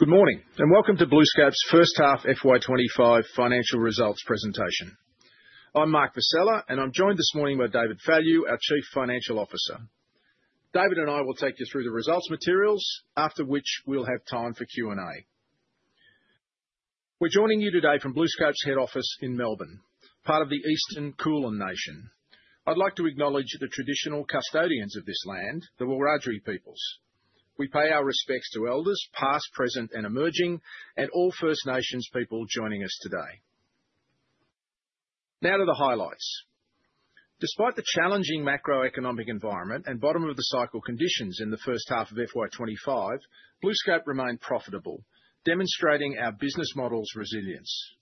Good morning, and welcome to BlueScope's First Half FY 2025 Financial Results Presentation. I'm Mark Vassella, and I'm joined this morning by David Fallu, our Chief Financial Officer. David and I will take you through the results materials, after which we'll have time for Q&A. We're joining you today from BlueScope's head office in Melbourne, part of the Eastern Kulin Nation. I'd like to acknowledge the traditional custodians of this land, the Wurundjeri peoples. We pay our respects to elders, past, present, and emerging, and all First Nations people joining us today. Now to the highlights. Despite the challenging macroeconomic environment and bottom-of-the-cycle conditions in the first half of FY 2025, BlueScope remained profitable, demonstrating our business model's resilience.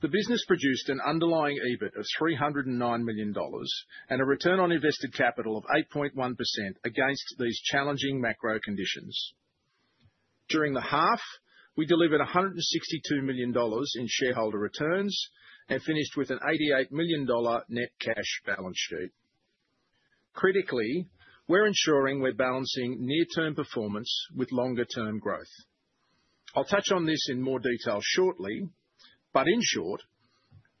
The business produced an underlying EBIT of $309 million and a return on invested capital of 8.1% against these challenging macro conditions. During the half, we delivered $162 million in shareholder returns and finished with an $88 million net cash balance sheet. Critically, we're ensuring we're balancing near-term performance with longer-term growth. I'll touch on this in more detail shortly, but in short,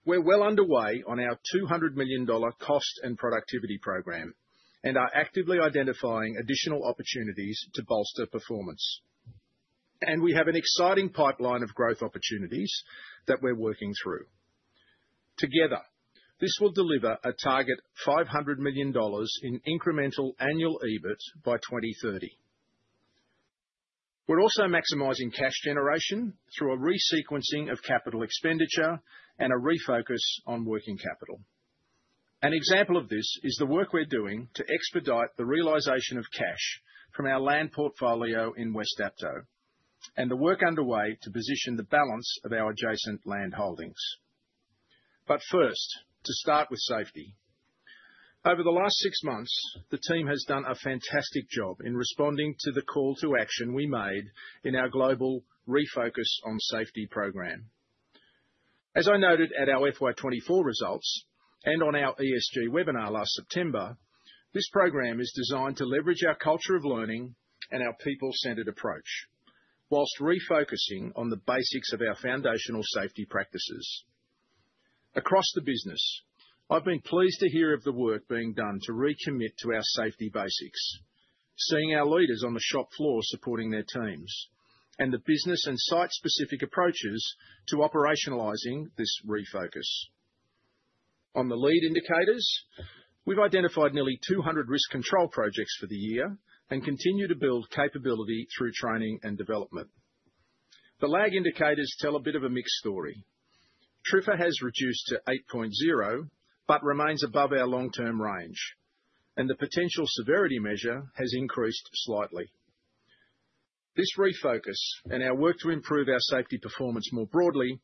we're well underway on our $200 million cost and productivity program and are actively identifying additional opportunities to bolster performance. And we have an exciting pipeline of growth opportunities that we're working through. Together, this will deliver a target $500 million in incremental annual EBIT by 2030. We're also maximizing cash generation through a re-sequencing of capital expenditure and a refocus on working capital. An example of this is the work we're doing to expedite the realization of cash from our land portfolio in West Dapto, and the work underway to position the balance of our adjacent land holdings. But first, to start with safety. Over the last six months, the team has done a fantastic job in responding to the call to action we made in our global refocus on safety program. As I noted at our FY 2024 results and on our ESG webinar last September, this program is designed to leverage our culture of learning and our people-centered approach, while refocusing on the basics of our foundational safety practices. Across the business, I've been pleased to hear of the work being done to recommit to our safety basics, seeing our leaders on the shop floor supporting their teams, and the business and site-specific approaches to operationalizing this refocus. On the lead indicators, we've identified nearly 200 risk control projects for the year and continue to build capability through training and development. The lag indicators tell a bit of a mixed story. TRIFR has reduced to 8.0 but remains above our long-term range, and the potential severity measure has increased slightly. This refocus and our work to improve our safety performance more broadly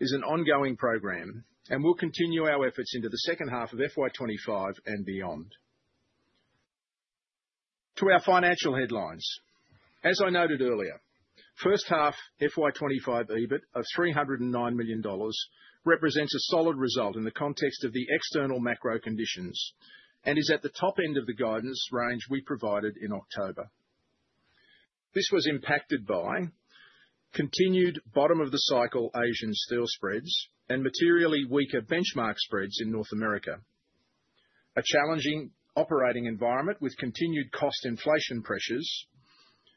is an ongoing program, and we'll continue our efforts into the second half of FY 2025 and beyond. To our financial headlines. As I noted earlier, first half FY 2025 EBIT of $309 million represents a solid result in the context of the external macro conditions and is at the top end of the guidance range we provided in October. This was impacted by continued bottom-of-the-cycle Asian steel spreads and materially weaker benchmark spreads in North America, a challenging operating environment with continued cost inflation pressures,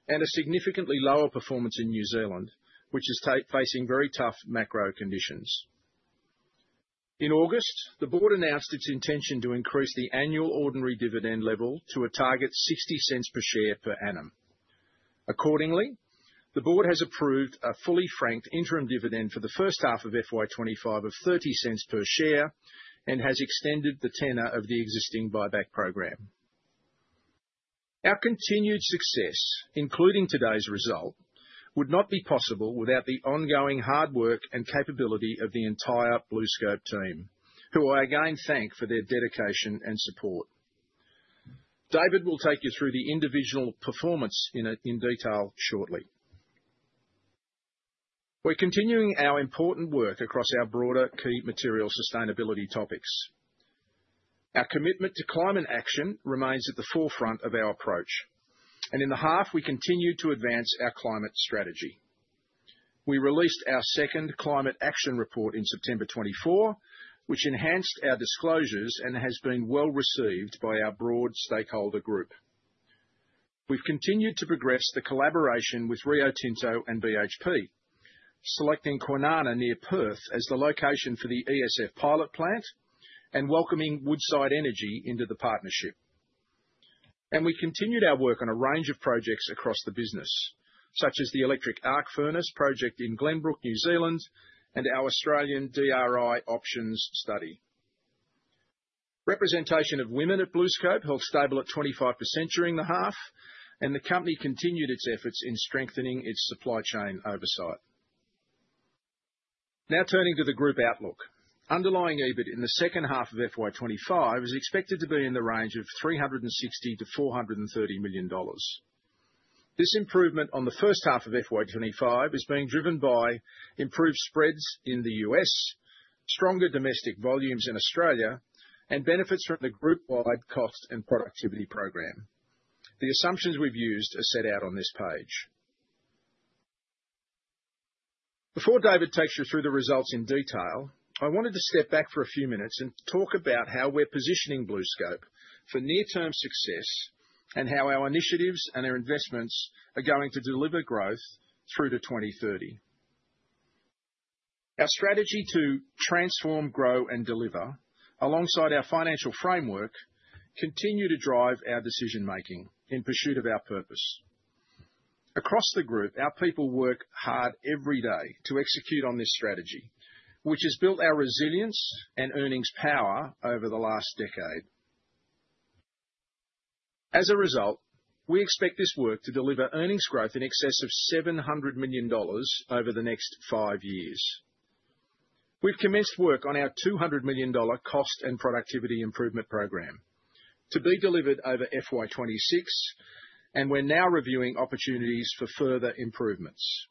and a significantly lower performance in New Zealand, which is facing very tough macro conditions. In August, the board announced its intention to increase the annual ordinary dividend level to a target $0.60 per share per annum. Accordingly, the board has approved a fully franked interim dividend for the first half of FY 2025 of $0.30 per share and has extended the tenor of the existing buyback program. Our continued success, including today's result, would not be possible without the ongoing hard work and capability of the entire BlueScope team, who I again thank for their dedication and support. David will take you through the individual performance in detail shortly. We're continuing our important work across our broader key material sustainability topics. Our commitment to climate action remains at the forefront of our approach, and in the half, we continue to advance our climate strategy. We released our second climate action report in September 2024, which enhanced our disclosures and has been well received by our broad stakeholder group. We've continued to progress the collaboration with Rio Tinto and BHP, selecting Kwinana near Perth as the location for the ESF pilot plant and welcoming Woodside Energy into the partnership. And we continued our work on a range of projects across the business, such as the electric arc furnace project in Glenbrook, New Zealand, and our Australian DRI options study. Representation of women at BlueScope held stable at 25% during the half, and the company continued its efforts in strengthening its supply chain oversight. Now turning to the group outlook, underlying EBIT in the second half of FY 2025 is expected to be in the range of $360 million-$430 million. This improvement on the first half of FY 2025 is being driven by improved spreads in the U.S., stronger domestic volumes in Australia, and benefits from the group-wide cost and productivity program. The assumptions we've used are set out on this page. Before David takes you through the results in detail, I wanted to step back for a few minutes and talk about how we're positioning BlueScope for near-term success and how our initiatives and our investments are going to deliver growth through to 2030. Our strategy to transform, grow, and deliver, alongside our financial framework, continues to drive our decision-making in pursuit of our purpose. Across the group, our people work hard every day to execute on this strategy, which has built our resilience and earnings power over the last decade. As a result, we expect this work to deliver earnings growth in excess of $700 million over the next five years. We've commenced work on our $200 million cost and productivity improvement program to be delivered over FY 2026, and we're now reviewing opportunities for further improvements.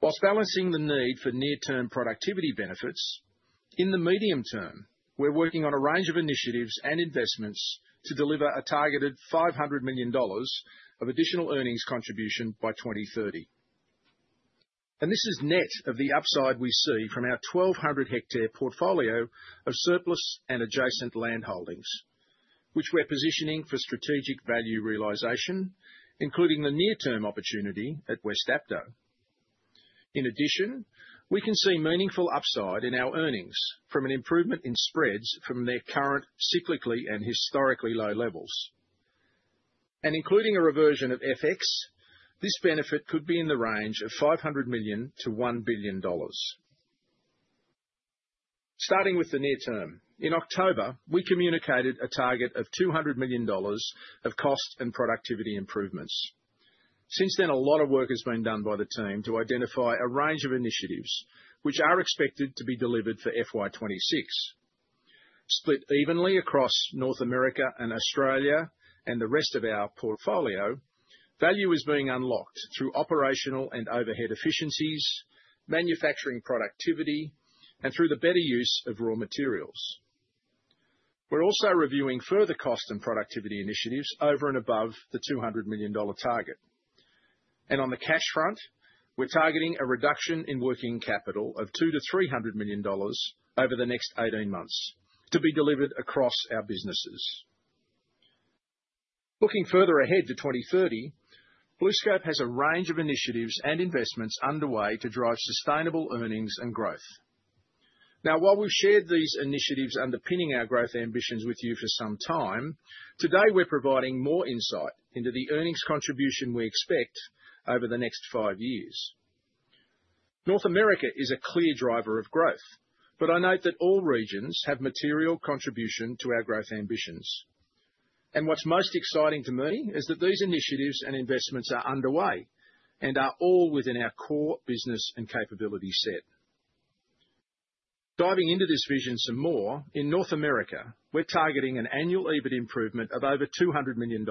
While balancing the need for near-term productivity benefits, in the medium term, we're working on a range of initiatives and investments to deliver a targeted $500 million of additional earnings contribution by 2030. And this is net of the upside we see from our 1,200-hectare portfolio of surplus and adjacent land holdings, which we're positioning for strategic value realization, including the near-term opportunity at West Dapto. In addition, we can see meaningful upside in our earnings from an improvement in spreads from their current cyclically and historically low levels. Including a reversion of FX, this benefit could be in the range of $500 million-$1 billion. Starting with the near term, in October, we communicated a target of $200 million of cost and productivity improvements. Since then, a lot of work has been done by the team to identify a range of initiatives which are expected to be delivered for FY 2026. Split evenly across North America and Australia and the rest of our portfolio, value is being unlocked through operational and overhead efficiencies, manufacturing productivity, and through the better use of raw materials. We're also reviewing further cost and productivity initiatives over and above the $200 million target. On the cash front, we're targeting a reduction in working capital of $200 million-$300 million over the next 18 months to be delivered across our businesses. Looking further ahead to 2030, BlueScope has a range of initiatives and investments underway to drive sustainable earnings and growth. Now, while we've shared these initiatives underpinning our growth ambitions with you for some time, today we're providing more insight into the earnings contribution we expect over the next five years. North America is a clear driver of growth, but I note that all regions have material contribution to our growth ambitions. And what's most exciting to me is that these initiatives and investments are underway and are all within our core business and capability set. Diving into this vision some more, in North America, we're targeting an annual EBIT improvement of over $200 million.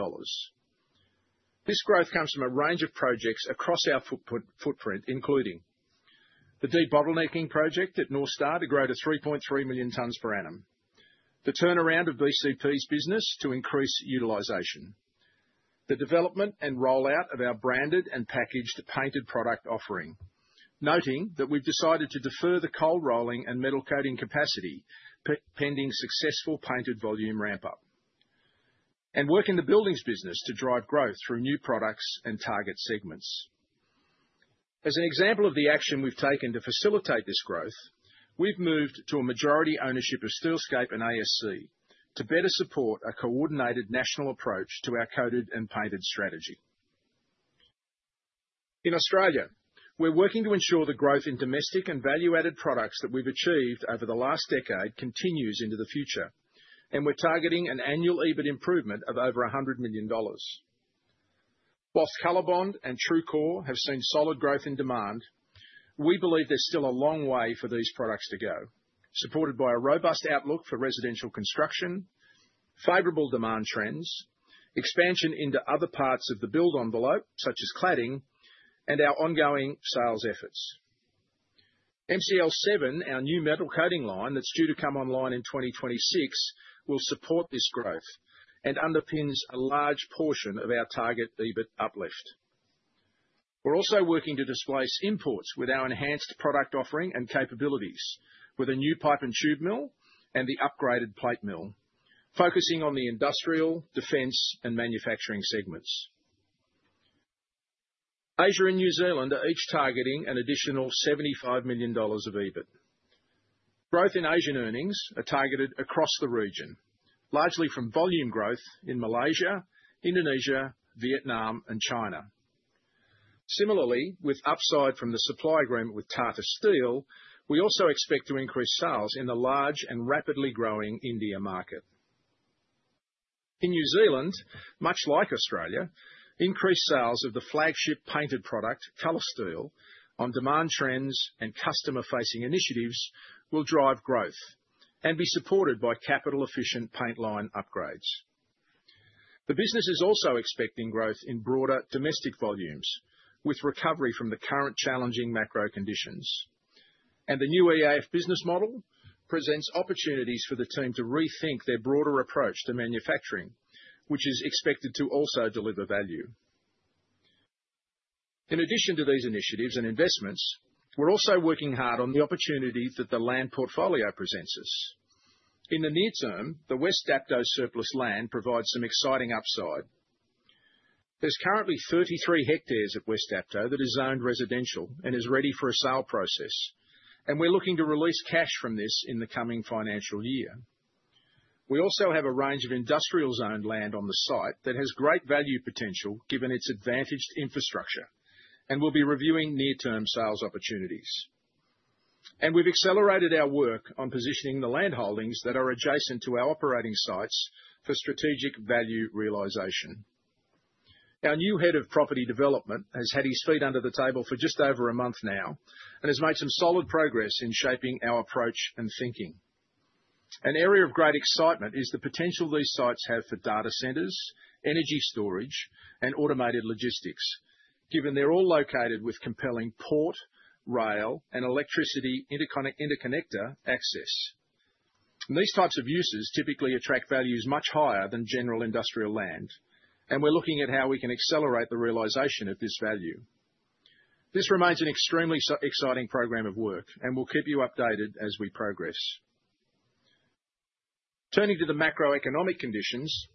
This growth comes from a range of projects across our footprint, including the de-bottlenecking project at North Star to grow to 3.3 million tons per annum, the turnaround of BCP's business to increase utilization, the development and rollout of our branded and packaged painted product offering, noting that we've decided to defer the coil rolling and metal coating capacity pending successful painted volume ramp-up, and work in the buildings business to drive growth through new products and target segments. As an example of the action we've taken to facilitate this growth, we've moved to a majority ownership of Steelscape and ASC to better support a coordinated national approach to our coated and painted strategy. In Australia, we're working to ensure the growth in domestic and value-added products that we've achieved over the last decade continues into the future, and we're targeting an annual EBIT improvement of over $100 million. While COLORBOND and TRUECORE have seen solid growth in demand, we believe there's still a long way for these products to go, supported by a robust outlook for residential construction, favorable demand trends, expansion into other parts of the building envelope, such as cladding, and our ongoing sales efforts. MCL7, our new metal coating line that's due to come online in 2026, will support this growth and underpins a large portion of our target EBIT uplift. We're also working to displace imports with our enhanced product offering and capabilities, with a new pipe and tube mill and the upgraded plate mill, focusing on the industrial, defense, and manufacturing segments. Asia and New Zealand are each targeting an additional $75 million of EBIT. Growth in Asian earnings are targeted across the region, largely from volume growth in Malaysia, Indonesia, Vietnam, and China. Similarly, with upside from the supply agreement with Tata Steel, we also expect to increase sales in the large and rapidly growing India market. In New Zealand, much like Australia, increased sales of the flagship painted product, COLORSTEEL, on demand trends and customer-facing initiatives will drive growth and be supported by capital-efficient paint line upgrades. The business is also expecting growth in broader domestic volumes with recovery from the current challenging macro conditions, and the new EAF business model presents opportunities for the team to rethink their broader approach to manufacturing, which is expected to also deliver value. In addition to these initiatives and investments, we're also working hard on the opportunities that the land portfolio presents us. In the near term, the West Dapto surplus land provides some exciting upside. There's currently 33 hectares at West Dapto that are zoned residential and are ready for a sale process, and we're looking to release cash from this in the coming financial year. We also have a range of industrial-zoned land on the site that has great value potential given its advantaged infrastructure and will be reviewing near-term sales opportunities. And we've accelerated our work on positioning the land holdings that are adjacent to our operating sites for strategic value realization. Our new head of property development has had his feet under the table for just over a month now and has made some solid progress in shaping our approach and thinking. An area of great excitement is the potential these sites have for data centers, energy storage, and automated logistics, given they're all located with compelling port, rail, and electricity interconnector access. These types of uses typically attract values much higher than general industrial land, and we're looking at how we can accelerate the realization of this value. This remains an extremely exciting program of work, and we'll keep you updated as we progress. Turning to the macroeconomic conditions,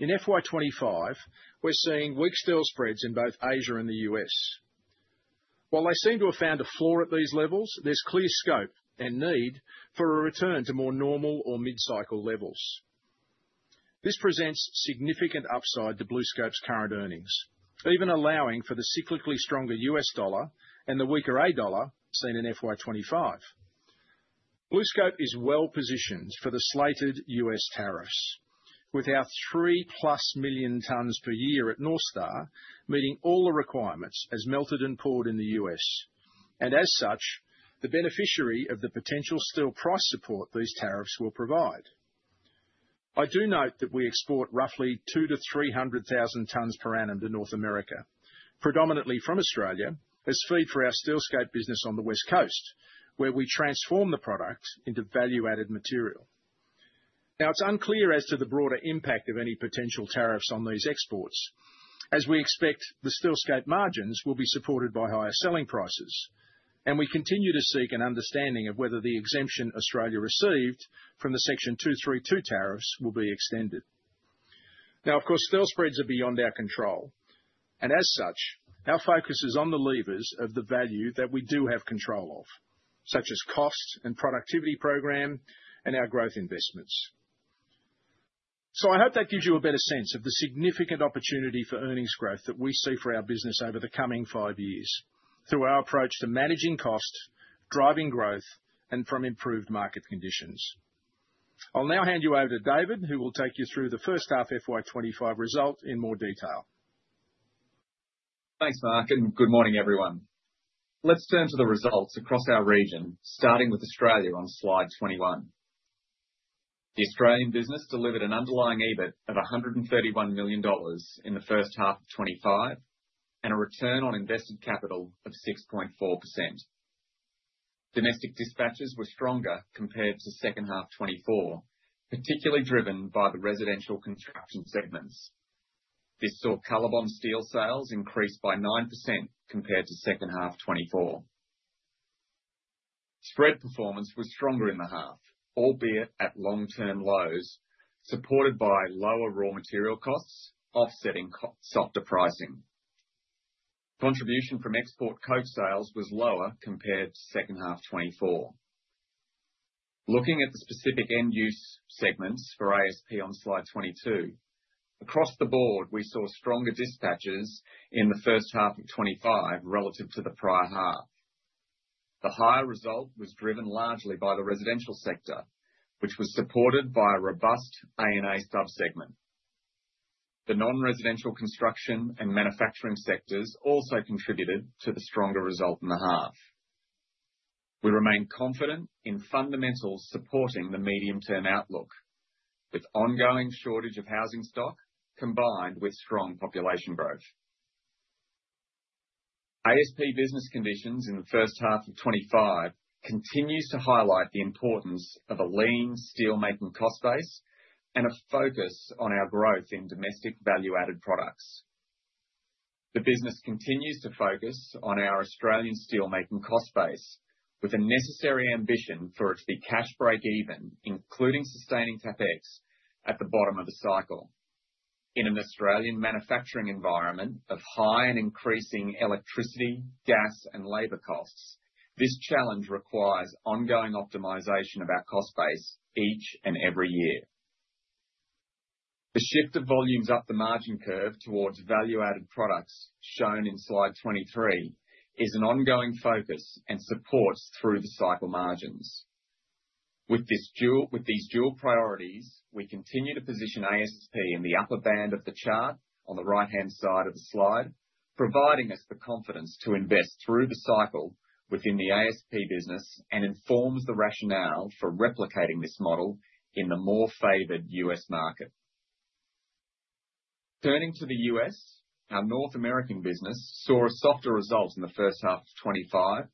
in FY 2025, we're seeing weak steel spreads in both Asia and the U.S. While they seem to have found a floor at these levels, there's clear scope and need for a return to more normal or mid-cycle levels. This presents significant upside to BlueScope's current earnings, even allowing for the cyclically stronger U.S. dollar and the weaker A dollar seen in FY 2025. BlueScope is well positioned for the slated U.S. tariffs, with our 3+ million tons per year at North Star meeting all the requirements as melted and poured in the U.S., and as such, the beneficiary of the potential steel price support these tariffs will provide. I do note that we export roughly 200,000-300,000 tons per annum to North America, predominantly from Australia, as feed for our Steelscape business on the West Coast, where we transform the product into value-added material. Now, it's unclear as to the broader impact of any potential tariffs on these exports, as we expect the Steelscape margins will be supported by higher selling prices, and we continue to seek an understanding of whether the exemption Australia received from the Section 232 tariffs will be extended. Now, of course, steel spreads are beyond our control, and as such, our focus is on the levers of the value that we do have control of, such as cost and productivity program and our growth investments. So I hope that gives you a better sense of the significant opportunity for earnings growth that we see for our business over the coming five years through our approach to managing cost, driving growth, and from improved market conditions. I'll now hand you over to David, who will take you through the first half FY 2025 result in more detail. Thanks, Mark, and good morning, everyone. Let's turn to the results across our region, starting with Australia on slide 21. The Australian business delivered an underlying EBIT of $131 million in the first half of 2025 and a return on invested capital of 6.4%. Domestic dispatches were stronger compared to second half 2024, particularly driven by the residential construction segments. This saw COLORBOND Steel sales increase by 9% compared to second half 2024. Spread performance was stronger in the half, albeit at long-term lows, supported by lower raw material costs offsetting softer pricing. Contribution from export coat sales was lower compared to second half 2024. Looking at the specific end-use segments for ASP on slide 22, across the board, we saw stronger dispatches in the first half of 2025 relative to the prior half. The higher result was driven largely by the residential sector, which was supported by a robust A&A subsegment. The non-residential construction and manufacturing sectors also contributed to the stronger result in the half. We remain confident in fundamentals supporting the medium-term outlook, with ongoing shortage of housing stock combined with strong population growth. ASP business conditions in the first half of 2025 continue to highlight the importance of a lean steelmaking cost base and a focus on our growth in domestic value-added products. The business continues to focus on our Australian steelmaking cost base, with a necessary ambition for it to be cash break even, including sustaining CapEx at the bottom of the cycle. In an Australian manufacturing environment of high and increasing electricity, gas, and labor costs, this challenge requires ongoing optimization of our cost base each and every year. The shift of volumes up the margin curve towards value-added products, shown in slide 23, is an ongoing focus and support through the cycle margins. With these dual priorities, we continue to position ASP in the upper band of the chart on the right-hand side of the slide, providing us the confidence to invest through the cycle within the ASP business and informs the rationale for replicating this model in the more favored U.S. market. Turning to the U.S., our North American business saw a softer result in the first half of 2025,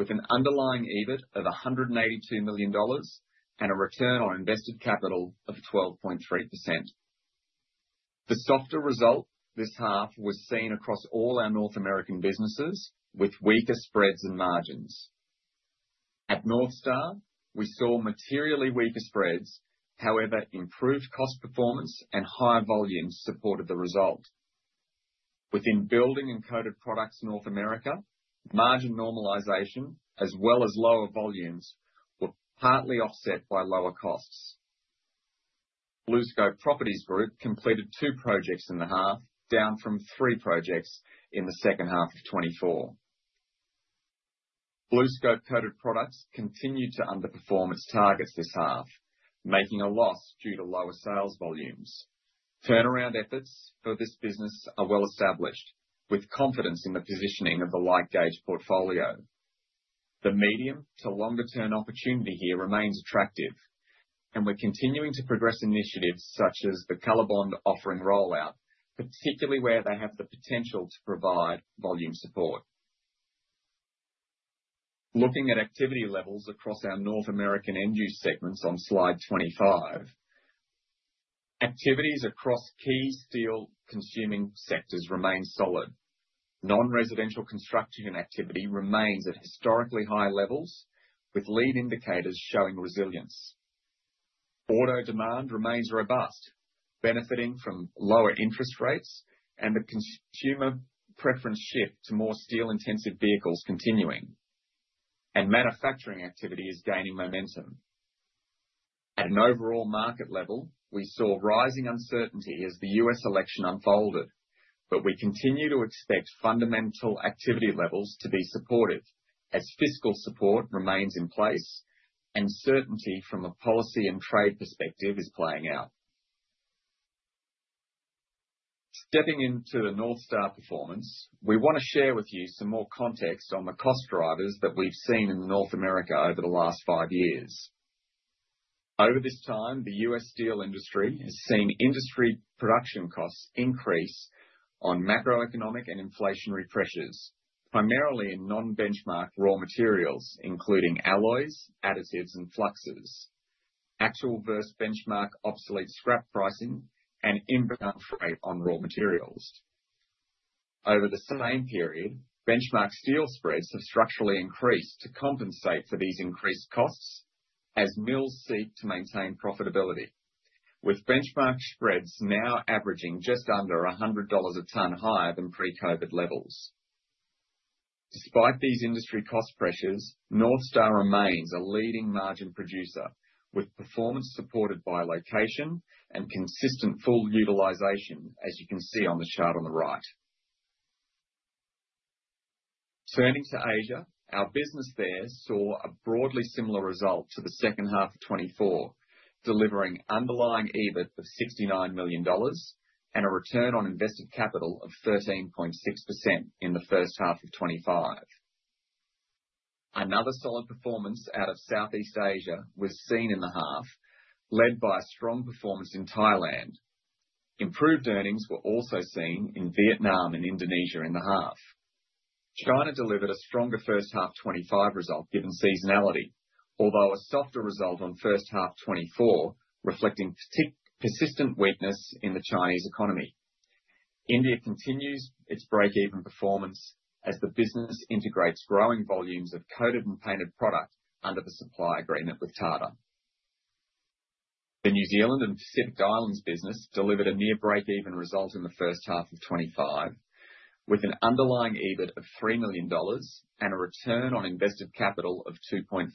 with an underlying EBIT of $182 million and a return on invested capital of 12.3%. The softer result this half was seen across all our North American businesses with weaker spreads and margins. At North Star, we saw materially weaker spreads. However, improved cost performance and higher volumes supported the result. Within building and coated products in North America, margin normalization, as well as lower volumes, were partly offset by lower costs. BlueScope Properties Group completed two projects in the half, down from three projects in the second half of 2024. BlueScope Coated Products continued to underperform its targets this half, making a loss due to lower sales volumes. Turnaround efforts for this business are well established, with confidence in the positioning of the light gauge portfolio. The medium to longer-term opportunity here remains attractive, and we're continuing to progress initiatives such as the COLORBOND offering rollout, particularly where they have the potential to provide volume support. Looking at activity levels across our North American end-use segments on slide 25, activities across key steel consuming sectors remain solid. Non-residential construction activity remains at historically high levels, with lead indicators showing resilience. Auto demand remains robust, benefiting from lower interest rates and the consumer preference shift to more steel-intensive vehicles continuing, and manufacturing activity is gaining momentum. At an overall market level, we saw rising uncertainty as the U.S. election unfolded, but we continue to expect fundamental activity levels to be supportive as fiscal support remains in place and certainty from a policy and trade perspective is playing out. Stepping into the North Star performance, we want to share with you some more context on the cost drivers that we've seen in North America over the last five years. Over this time, the U.S. steel industry has seen industry production costs increase on macroeconomic and inflationary pressures, primarily in non-benchmark raw materials, including alloys, additives, and fluxes, actual versus benchmark obsolete scrap pricing, and inbound freight on raw materials. Over the same period, benchmark steel spreads have structurally increased to compensate for these increased costs as mills seek to maintain profitability, with benchmark spreads now averaging just under $100 a ton higher than pre-COVID levels. Despite these industry cost pressures, North Star remains a leading margin producer, with performance supported by location and consistent full utilization, as you can see on the chart on the right. Turning to Asia, our business there saw a broadly similar result to the second half of 2024, delivering underlying EBIT of $69 million and a return on invested capital of 13.6% in the first half of 2025. Another solid performance out of Southeast Asia was seen in the half, led by strong performance in Thailand. Improved earnings were also seen in Vietnam and Indonesia in the half. China delivered a stronger first half 2025 result given seasonality, although a softer result on first half 2024, reflecting persistent weakness in the Chinese economy. India continues its break-even performance as the business integrates growing volumes of coated and painted product under the supply agreement with Tata. The New Zealand and Pacific Islands business delivered a near break-even result in the first half of 2025, with an underlying EBIT of $3 million and a return on invested capital of 2.4%.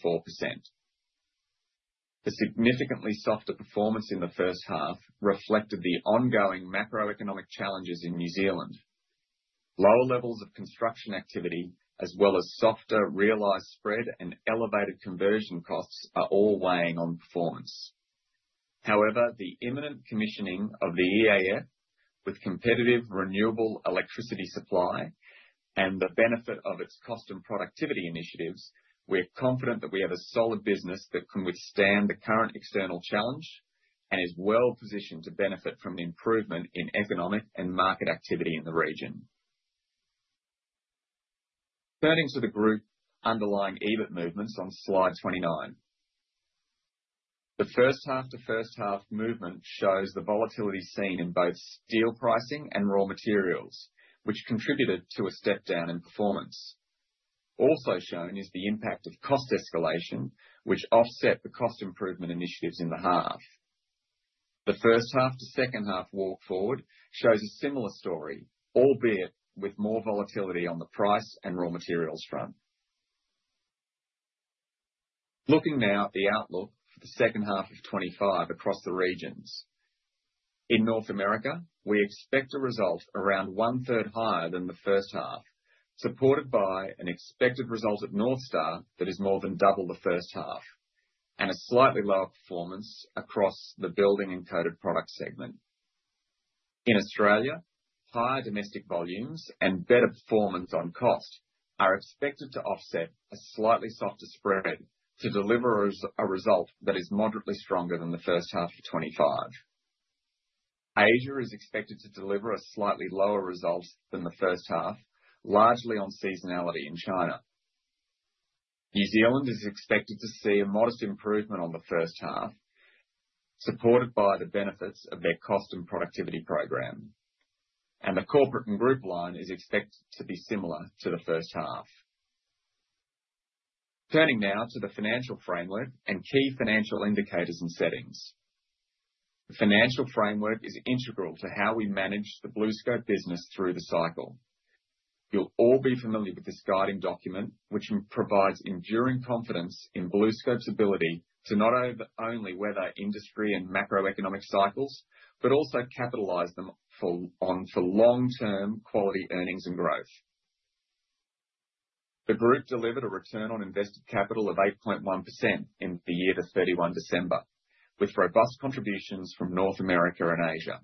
The significantly softer performance in the first half reflected the ongoing macroeconomic challenges in New Zealand. Lower levels of construction activity, as well as softer realized spread and elevated conversion costs, are all weighing on performance. However, the imminent commissioning of the EAF, with competitive renewable electricity supply and the benefit of its cost and productivity initiatives, we're confident that we have a solid business that can withstand the current external challenge and is well positioned to benefit from the improvement in economic and market activity in the region. Turning to the group underlying EBIT movements on slide 29, the first half to first half movement shows the volatility seen in both steel pricing and raw materials, which contributed to a step down in performance. Also shown is the impact of cost escalation, which offset the cost improvement initiatives in the half. The first half to second half walk forward shows a similar story, albeit with more volatility on the price and raw materials front. Looking now at the outlook for the second half of 2025 across the regions, in North America, we expect a result around one-third higher than the first half, supported by an expected result at North Star that is more than double the first half and a slightly lower performance across the building and coated product segment. In Australia, higher domestic volumes and better performance on cost are expected to offset a slightly softer spread to deliver a result that is moderately stronger than the first half of 2025. Asia is expected to deliver a slightly lower result than the first half, largely on seasonality in China. New Zealand is expected to see a modest improvement on the first half, supported by the benefits of their cost and productivity program, and the corporate and group line is expected to be similar to the first half. Turning now to the financial framework and key financial indicators and settings. The financial framework is integral to how we manage the BlueScope business through the cycle. You'll all be familiar with this guiding document, which provides enduring confidence in BlueScope's ability to not only weather industry and macroeconomic cycles, but also capitalize them for long-term quality earnings and growth. The group delivered a return on invested capital of 8.1% in the year to 31 December, with robust contributions from North America and Asia.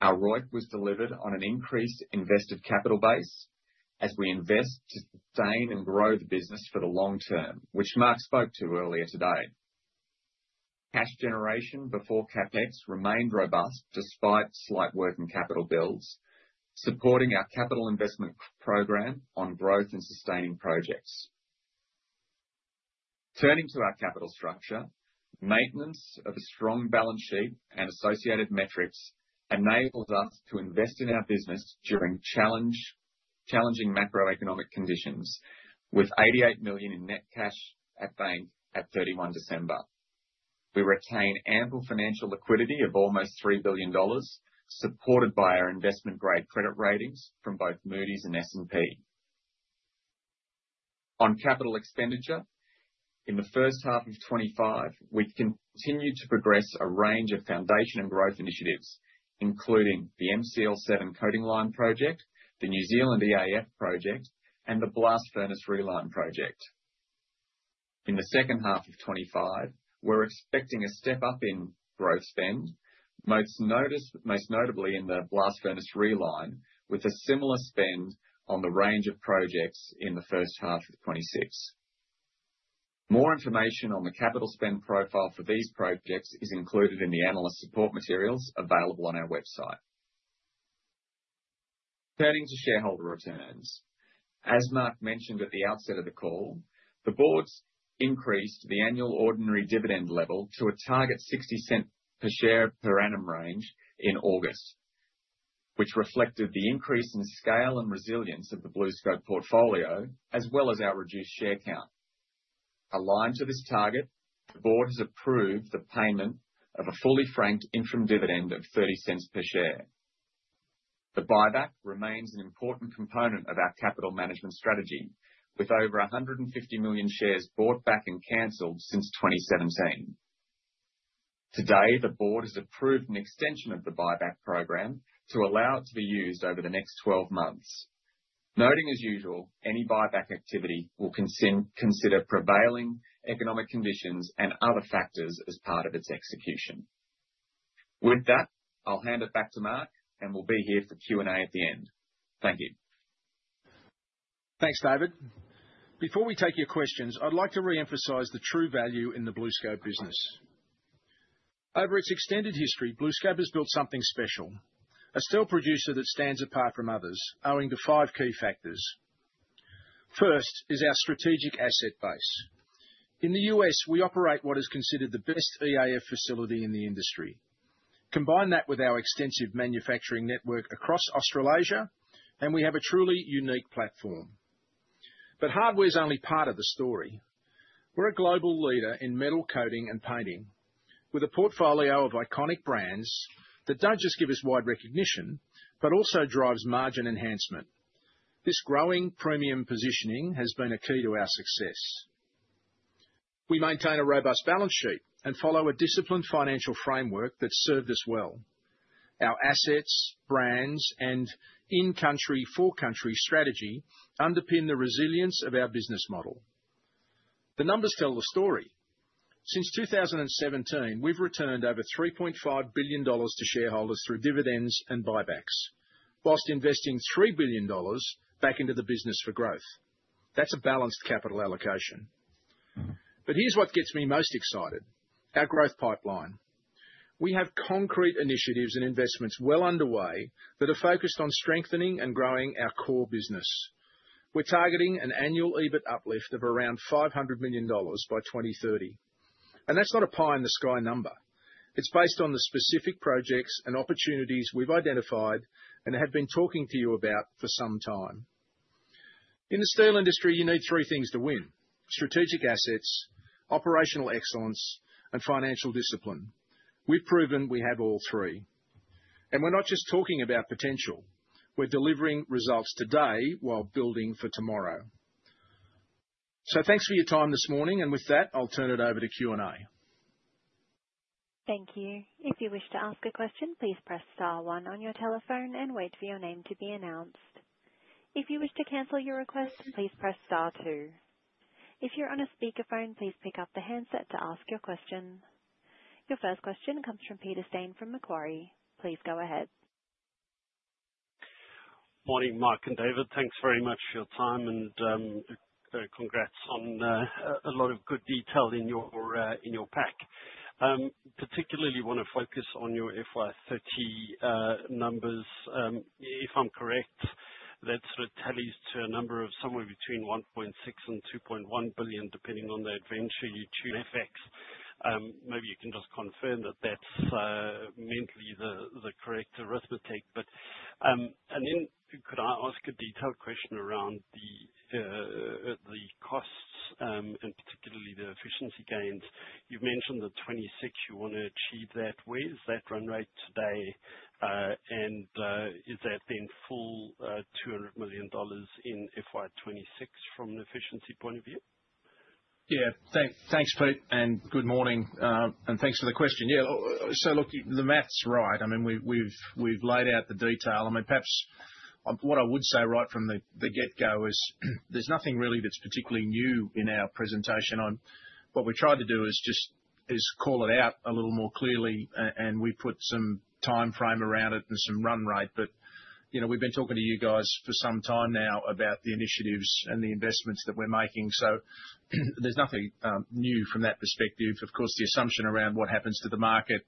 Our ROIC was delivered on an increased invested capital base as we invest to sustain and grow the business for the long term, which Mark spoke to earlier today. Cash generation before CapEx remained robust despite slight working capital bills, supporting our capital investment program on growth and sustaining projects. Turning to our capital structure, maintenance of a strong balance sheet and associated metrics enables us to invest in our business during challenging macroeconomic conditions, with $88 million in net cash at bank at 31 December. We retain ample financial liquidity of almost $3 billion, supported by our investment-grade credit ratings from both Moody's and S&P. On capital expenditure, in the first half of 2025, we continue to progress a range of foundation and growth initiatives, including the MCL7 coating line project, the New Zealand EAF project, and the blast furnace reline project. In the second half of 2025, we're expecting a step up in growth spend, most notably in the blast furnace reline, with a similar spend on the range of projects in the first half of 2026. More information on the capital spend profile for these projects is included in the analyst support materials available on our website. Turning to shareholder returns, as Mark mentioned at the outset of the call, the board increased the annual ordinary dividend level to a target $0.60 per share per annum range in August, which reflected the increase in scale and resilience of the BlueScope portfolio, as well as our reduced share count. Aligned to this target, the board has approved the payment of a fully franked interim dividend of $0.30 per share. The buyback remains an important component of our capital management strategy, with over 150 million shares bought back and canceled since 2017. Today, the board has approved an extension of the buyback program to allow it to be used over the next 12 months. Noting, as usual, any buyback activity will consider prevailing economic conditions and other factors as part of its execution. With that, I'll hand it back to Mark, and we'll be here for Q&A at the end. Thank you. Thanks, David. Before we take your questions, I'd like to re-emphasize the true value in the BlueScope business. Over its extended history, BlueScope has built something special, a steel producer that stands apart from others, owing to five key factors. First is our strategic asset base. In the U.S., we operate what is considered the best EAF facility in the industry. Combine that with our extensive manufacturing network across Australasia, and we have a truly unique platform. But hardware is only part of the story. We're a global leader in metal coating and painting, with a portfolio of iconic brands that don't just give us wide recognition, but also drives margin enhancement. This growing premium positioning has been a key to our success. We maintain a robust balance sheet and follow a disciplined financial framework that's served us well. Our assets, brands, and in-country, for-country strategy underpin the resilience of our business model. The numbers tell the story. Since 2017, we've returned over 3.5 billion dollars to shareholders through dividends and buybacks, while investing 3 billion dollars back into the business for growth. That's a balanced capital allocation. But here's what gets me most excited: our growth pipeline. We have concrete initiatives and investments well underway that are focused on strengthening and growing our core business. We're targeting an annual EBIT uplift of around 500 million dollars by 2030. And that's not a pie-in-the-sky number. It's based on the specific projects and opportunities we've identified and have been talking to you about for some time. In the steel industry, you need three things to win: strategic assets, operational excellence, and financial discipline. We've proven we have all three. And we're not just talking about potential. We're delivering results today while building for tomorrow. So thanks for your time this morning, and with that, I'll turn it over to Q&A. Thank you. If you wish to ask a question, please press star one on your telephone and wait for your name to be announced. If you wish to cancel your request, please press star two. If you're on a speakerphone, please pick up the handset to ask your question. Your first question comes from Peter Steyn from Macquarie. Please go ahead. Morning, Mark and David. Thanks very much for your time, and congrats on a lot of good detail in your pack. Particularly, I want to focus on your FY 2030 numbers. If I'm correct, that sort of tallies to a number of somewhere between $1.6 billion and $2.1 billion, depending on the answer, too. And FX. Maybe you can just confirm that that's mathematically the correct arithmetic. And then could I ask a detailed question around the costs and particularly the efficiency gains? You've mentioned the FY 2026 you want to achieve that. Where is that run rate today? And is that then full $200 million in FY 2026 from an efficiency point of view? Yeah. Thanks, Pete, and good morning. And thanks for the question. Yeah. So look, the math's right. I mean, we've laid out the detail. I mean, perhaps what I would say right from the get-go is there's nothing really that's particularly new in our presentation. What we tried to do is just call it out a little more clearly, and we put some time frame around it and some run rate. But we've been talking to you guys for some time now about the initiatives and the investments that we're making. So there's nothing new from that perspective. Of course, the assumption around what happens to the market,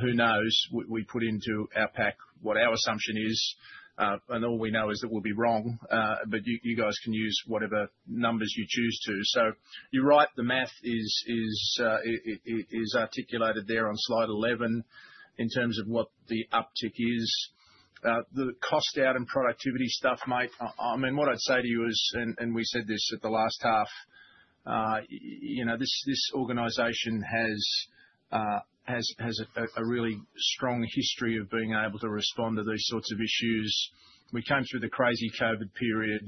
who knows? We put into our pack what our assumption is, and all we know is that we'll be wrong. But you guys can use whatever numbers you choose to. So you're right. The math is articulated there on slide 11 in terms of what the uptick is. The cost out and productivity stuff, mate, I mean, what I'd say to you is, and we said this at the last half, this organization has a really strong history of being able to respond to these sorts of issues. We came through the crazy COVID period.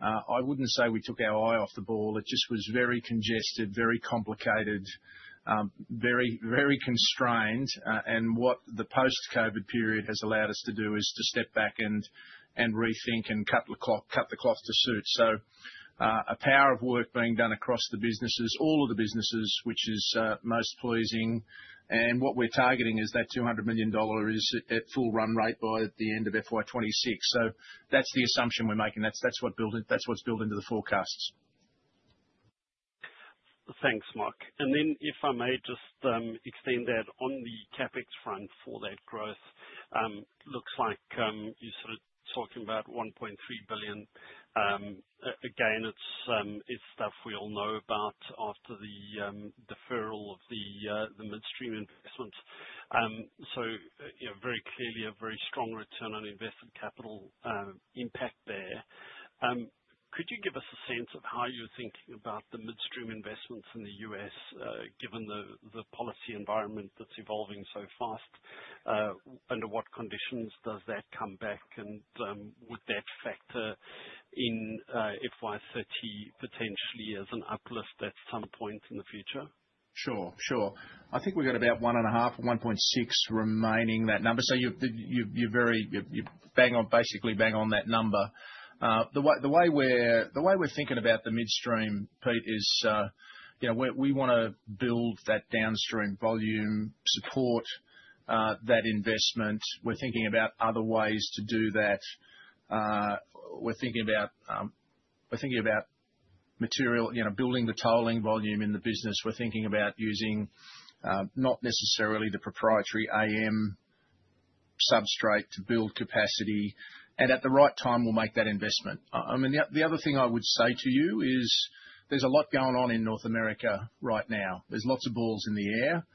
I wouldn't say we took our eye off the ball. It just was very congested, very complicated, very constrained. And what the post-COVID period has allowed us to do is to step back and rethink and cut the cloth to suit. So a power of work being done across the businesses, all of the businesses, which is most pleasing. And what we're targeting is that $200 million is at full run rate by the end of FY 2026. So that's the assumption we're making. That's what's built into the forecasts. Thanks, Mark. And then if I may just extend that on the CapEx front for that growth. Looks like you're sort of talking about $1.3 billion. Again, it's stuff we all know about after the deferral of the midstream investments. So very clearly, a very strong return on invested capital impact there. Could you give us a sense of how you're thinking about the midstream investments in the U.S., given the policy environment that's evolving so fast? Under what conditions does that come back? And would that factor in FY 2030 potentially as an uplift at some point in the future? Sure. Sure. I think we've got about $1.5 billion or $1.6 billion remaining on that number. So you're basically bang on that number. The way we're thinking about the midstream, Pete, is we want to build that downstream volume support, that investment. We're thinking about other ways to do that. We're thinking about material building the tolling volume in the business. We're thinking about using not necessarily the proprietary AM substrate to build capacity, and at the right time, we'll make that investment. I mean, the other thing I would say to you is there's a lot going on in North America right now. There's lots of balls in the air,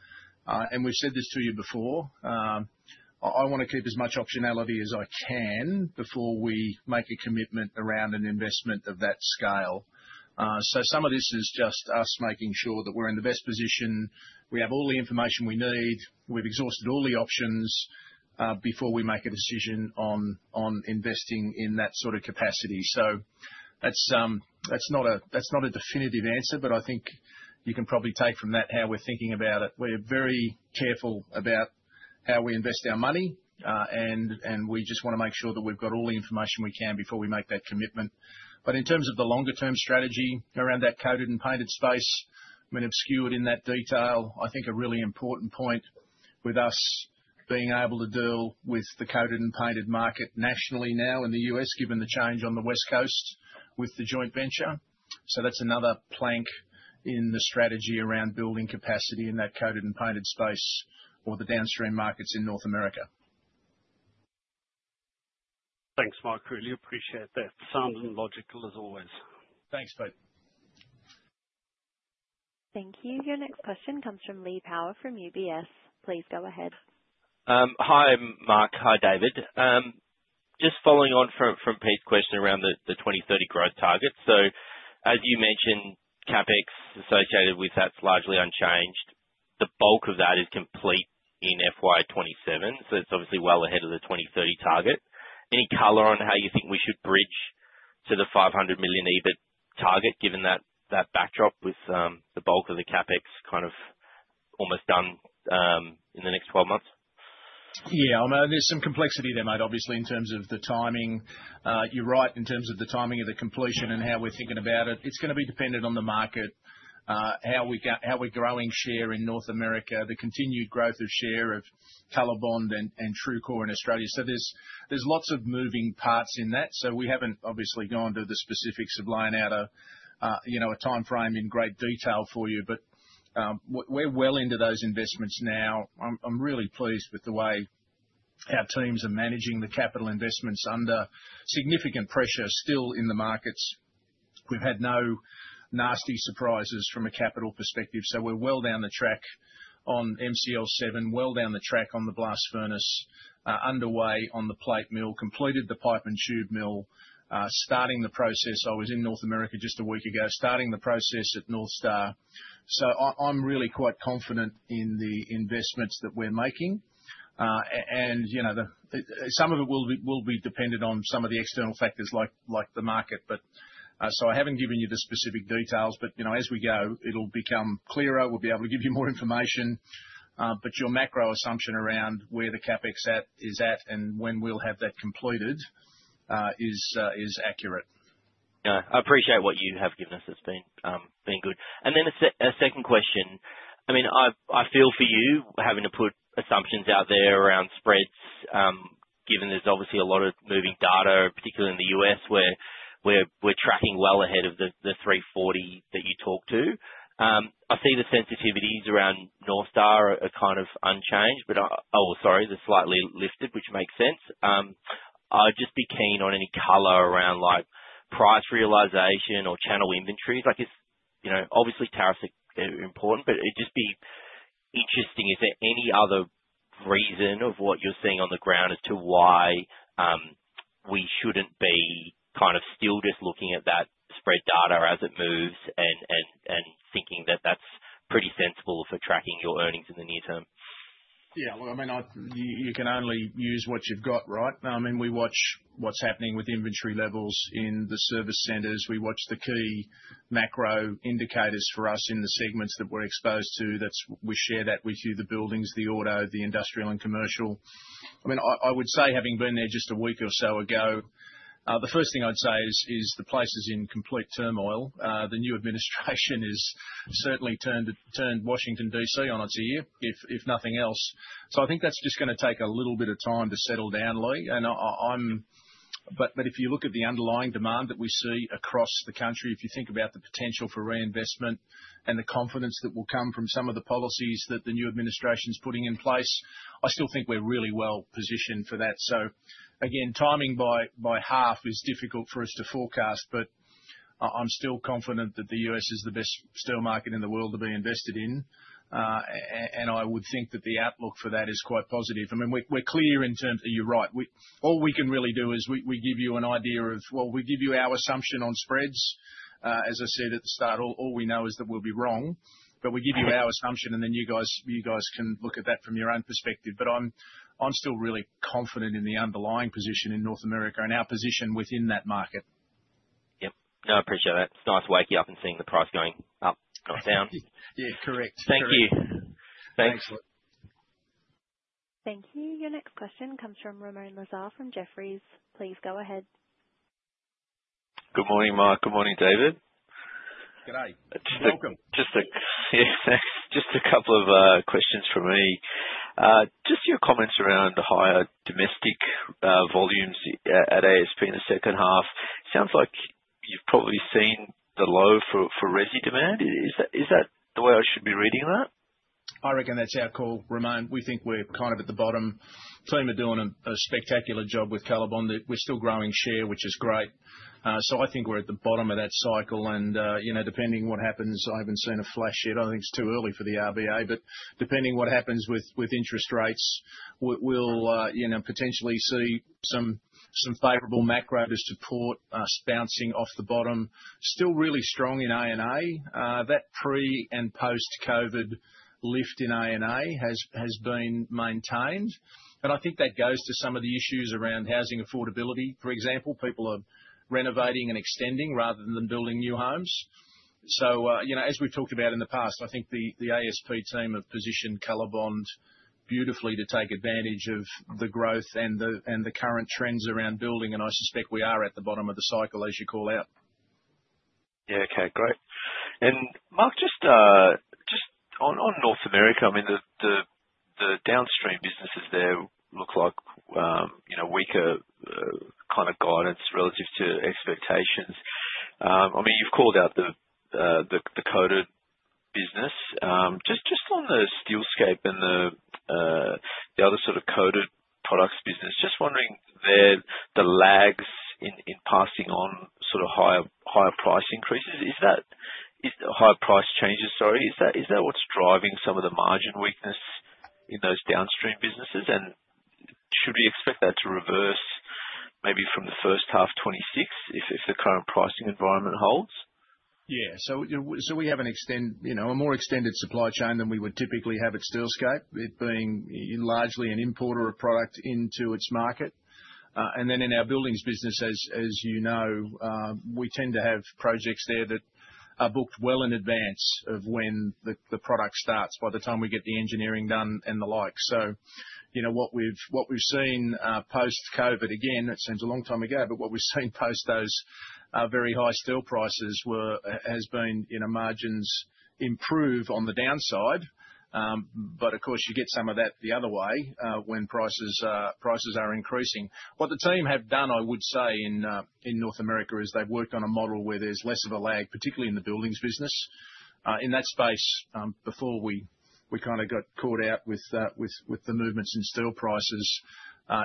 and we've said this to you before. I want to keep as much optionality as I can before we make a commitment around an investment of that scale, so some of this is just us making sure that we're in the best position. We have all the information we need. We've exhausted all the options before we make a decision on investing in that sort of capacity, so that's not a definitive answer, but I think you can probably take from that how we're thinking about it. We're very careful about how we invest our money, and we just want to make sure that we've got all the information we can before we make that commitment. But in terms of the longer-term strategy around that coated and painted space, I mean, obscured in that detail, I think a really important point with us being able to deal with the coated and painted market nationally now in the U.S., given the change on the West Coast with the joint venture. So that's another plank in the strategy around building capacity in that coated and painted space or the downstream markets in North America. Thanks, Mark. Really appreciate that. Sounds logical as always. Thanks, Pete. Thank you. Your next question comes from Lee Power from UBS. Please go ahead. Hi, Mark. Hi, David. Just following on from Pete's question around the 2030 growth target. So as you mentioned, CapEx associated with that's largely unchanged. The bulk of that is complete in FY 2027. So it's obviously well ahead of the 2030 target. Any color on how you think we should bridge to the $500 million EBIT target, given that backdrop with the bulk of the CapEx kind of almost done in the next 12 months? Yeah. I mean, there's some complexity there, mate, obviously, in terms of the timing. You're right in terms of the timing of the completion and how we're thinking about it. It's going to be dependent on the market, how we're growing share in North America, the continued growth of share of COLORBOND and TRUECORE in Australia. So there's lots of moving parts in that. So we haven't obviously gone to the specifics of laying out a time frame in great detail for you, but we're well into those investments now. I'm really pleased with the way our teams are managing the capital investments under significant pressure still in the markets. We've had no nasty surprises from a capital perspective. So we're well down the track on MCL7, well down the track on the blast furnace, underway on the plate mill, completed the pipe and tube mill. Starting the process, I was in North America just a week ago, starting the process at North Star. So I'm really quite confident in the investments that we're making. And some of it will be dependent on some of the external factors like the market. So I haven't given you the specific details, but as we go, it'll become clearer. We'll be able to give you more information. But your macro assumption around where the CapEx is at and when we'll have that completed is accurate. Yeah. I appreciate what you have given us. It's been good, and then a second question. I mean, I feel for you having to put assumptions out there around spreads, given there's obviously a lot of moving data, particularly in the U.S., where we're tracking well ahead of the 340 that you talked to. I see the sensitivities around North Star are kind of unchanged, but oh, sorry, they're slightly lifted, which makes sense. I'd just be keen on any color around price realization or channel inventories. Obviously, tariffs are important, but it'd just be interesting, is there any other reason of what you're seeing on the ground as to why we shouldn't be kind of still just looking at that spread data as it moves and thinking that that's pretty sensible for tracking your earnings in the near term? Yeah, well, I mean, you can only use what you've got, right? I mean, we watch what's happening with inventory levels in the service centers. We watch the key macro indicators for us in the segments that we're exposed to. We share that with you, the buildings, the auto, the industrial, and commercial. I mean, I would say having been there just a week or so ago, the first thing I'd say is the place is in complete turmoil. The new administration has certainly turned Washington, D.C. on its ear, if nothing else. So I think that's just going to take a little bit of time to settle down, Lee. But if you look at the underlying demand that we see across the country, if you think about the potential for reinvestment and the confidence that will come from some of the policies that the new administration's putting in place, I still think we're really well positioned for that. So again, timing by half is difficult for us to forecast, but I'm still confident that the U.S. is the best steel market in the world to be invested in. And I would think that the outlook for that is quite positive. I mean, we're clear in terms of you're right. All we can really do is we give you an idea of, well, we give you our assumption on spreads. As I said at the start, all we know is that we'll be wrong. But we give you our assumption, and then you guys can look at that from your own perspective. But I'm still really confident in the underlying position in North America and our position within that market. Yep. No, I appreciate that. It's nice waking up and seeing the price going up and down. Yeah. Correct. Thank you. Thanks. Thank you. Your next question comes from Ramoun Lazar from Jefferies. Please go ahead. Good morning, Mark. Good morning, David. G'day. Welcome. Just a couple of questions for me. Just your comments around higher domestic volumes at ASP in the second half. Sounds like you've probably seen the low for resi demand. Is that the way I should be reading that? I reckon that's our call, Ramoun. We think we're kind of at the bottom. Team are doing a spectacular job with COLORBOND. We're still growing share, which is great. So I think we're at the bottom of that cycle. Depending on what happens, I haven't seen a flash yet. I think it's too early for the RBA. But depending on what happens with interest rates, we'll potentially see some favorable macro to support us bouncing off the bottom. Still really strong in A&A. That pre- and post-COVID lift in A&A has been maintained. And I think that goes to some of the issues around housing affordability, for example. People are renovating and extending rather than building new homes. So as we've talked about in the past, I think the ASP team have positioned COLORBOND beautifully to take advantage of the growth and the current trends around building. And I suspect we are at the bottom of the cycle, as you call out. Yeah. Okay. Great. And Mark, just on North America, I mean, the downstream businesses there look like weaker kind of guidance relative to expectations. I mean, you've called out the coated business. Just on the Steelscape and the other sort of coated products business, just wondering, the lags in passing on sort of higher price increases, higher price changes, sorry, is that what's driving some of the margin weakness in those downstream businesses? And should we expect that to reverse maybe from the first half 2026 if the current pricing environment holds? Yeah. So we have a more extended supply chain than we would typically have at Steelscape, it being largely an importer of product into its market. And then in our buildings business, as you know, we tend to have projects there that are booked well in advance of when the product starts, by the time we get the engineering done and the like. So what we've seen post-COVID, again, it seems a long time ago, but what we've seen post those very high steel prices has been margins improve on the downside. But of course, you get some of that the other way when prices are increasing. What the team have done, I would say, in North America is they've worked on a model where there's less of a lag, particularly in the buildings business. In that space, before we kind of got caught out with the movements in steel prices,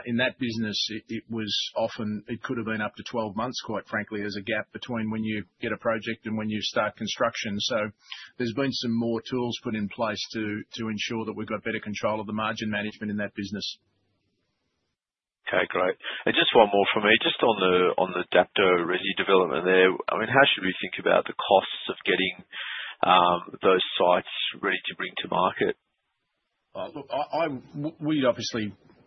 in that business, it could have been up to 12 months, quite frankly, as a gap between when you get a project and when you start construction. So there's been some more tools put in place to ensure that we've got better control of the margin management in that business. Okay. Great. And just one more from me. Just on the Dapto resi development there, I mean, how should we think about the costs of getting those sites ready to bring to market?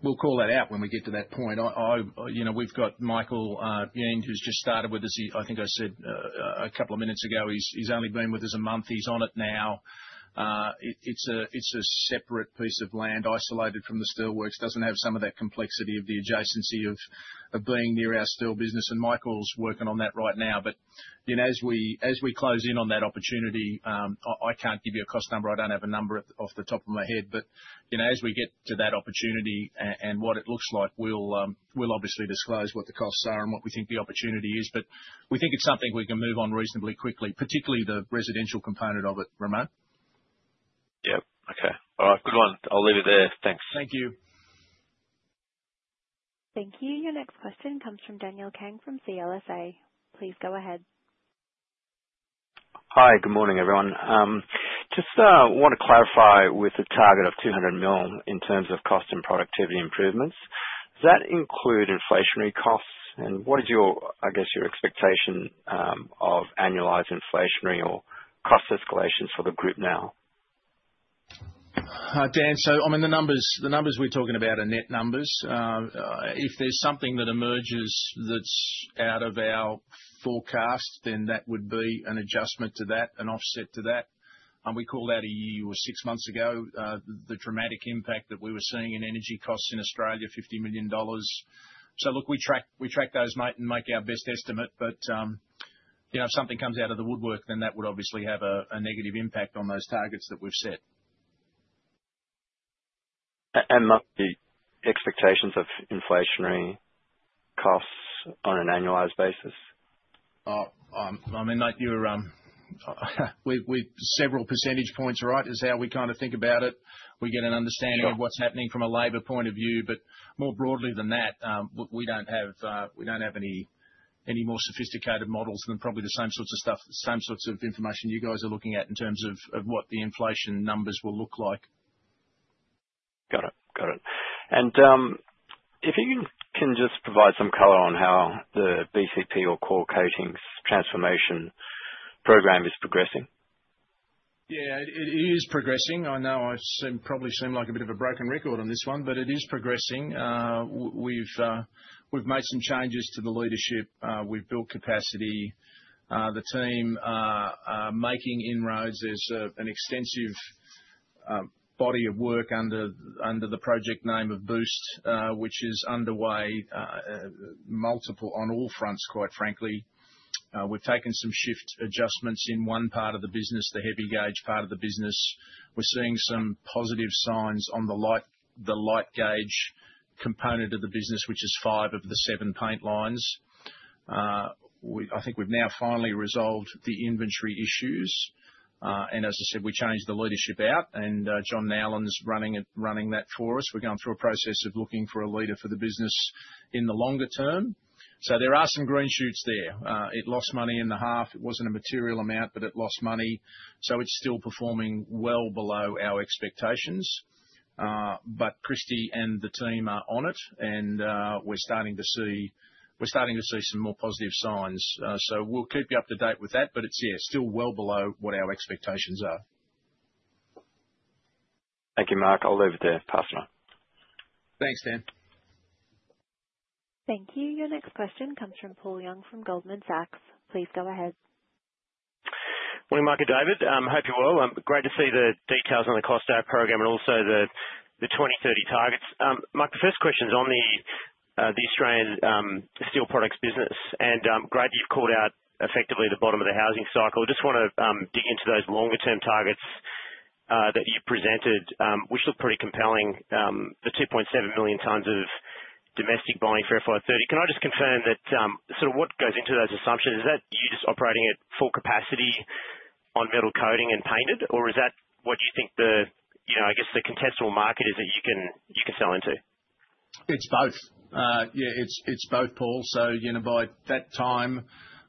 We'll call that out when we get to that point. We've got Michael Yang, who's just started with us. I think I said a couple of minutes ago. He's only been with us a month. He's on it now. It's a separate piece of land isolated from the steelworks. Doesn't have some of that complexity of the adjacency of being near our steel business. And Michael's working on that right now. But as we close in on that opportunity, I can't give you a cost number. I don't have a number off the top of my head. But as we get to that opportunity and what it looks like, we'll obviously disclose what the costs are and what we think the opportunity is. But we think it's something we can move on reasonably quickly, particularly the residential component of it, Ramoun. Yep. Okay. All right. Good one. I'll leave it there. Thanks. Thank you. Thank you. Your next question comes from Daniel Kang from CLSA. Please go ahead. Hi. Good morning, everyone. Just want to clarify with a target of 200 million in terms of cost and productivity improvements. Does that include inflationary costs? And what is, I guess, your expectation of annualized inflationary or cost escalations for the group now? iHi, Dan. So I mean, the numbers we're talking about are net numbers. If there's something that emerges that's out of our forecast, then that would be an adjustment to that, an offset to that. We called out, a year or six months ago, the dramatic impact that we were seeing in energy costs in Australia, $50 million. So, look, we track those and make our best estimate. But if something comes out of the woodwork, then that would obviously have a negative impact on those targets that we've set. And the expectations of inflationary costs on an annualized basis? I mean, we're several percentage points, right? is how we kind of think about it. We get an understanding of what's happening from a labor point of view. But more broadly than that, we don't have any more sophisticated models than probably the same sorts of stuff, same sorts of information you guys are looking at in terms of what the inflation numbers will look like. Got it. Got it. And if you can just provide some color on how the BCP or Coil Coatings Transformation Program is progressing. Yeah. It is progressing. I know I probably seem like a bit of a broken record on this one, but it is progressing. We've made some changes to the leadership. We've built capacity. The team making inroads. There's an extensive body of work under the project name of Boost, which is underway multiple on all fronts, quite frankly. We've taken some shift adjustments in one part of the business, the heavy gauge part of the business. We're seeing some positive signs on the light gauge component of the business, which is five of the seven paint lines. I think we've now finally resolved the inventory issues. And as I said, we changed the leadership out, and John Nowlan's running that for us. We're going through a process of looking for a leader for the business in the longer term. So there are some green shoots there. It lost money in the half. It wasn't a material amount, but it lost money. So it's still performing well below our expectations. But Kristie and the team are on it, and we're starting to see some more positive signs. So we'll keep you up to date with that, but it's still well below what our expectations are. Thank you, Mark. I'll leave it there. Pass on. Thanks, Dan. Thank you. Your next question comes from Paul Young from Goldman Sachs. Please go ahead. Morning, Mark and David. Hope you're well. Great to see the details on the cost out program and also the 2030 targets. Mark, the first question is on the Australian Steel Products business. And great you've called out effectively the bottom of the housing cycle. I just want to dig into those longer-term targets that you presented, which look pretty compelling. The 2.7 million tons of domestic buying for FY 2030. Can I just confirm that sort of what goes into those assumptions? Is that you just operating at full capacity on metal coating and painted, or is that what you think, I guess, the contestable market is that you can sell into? It's both. Yeah. It's both, Paul. So by that time,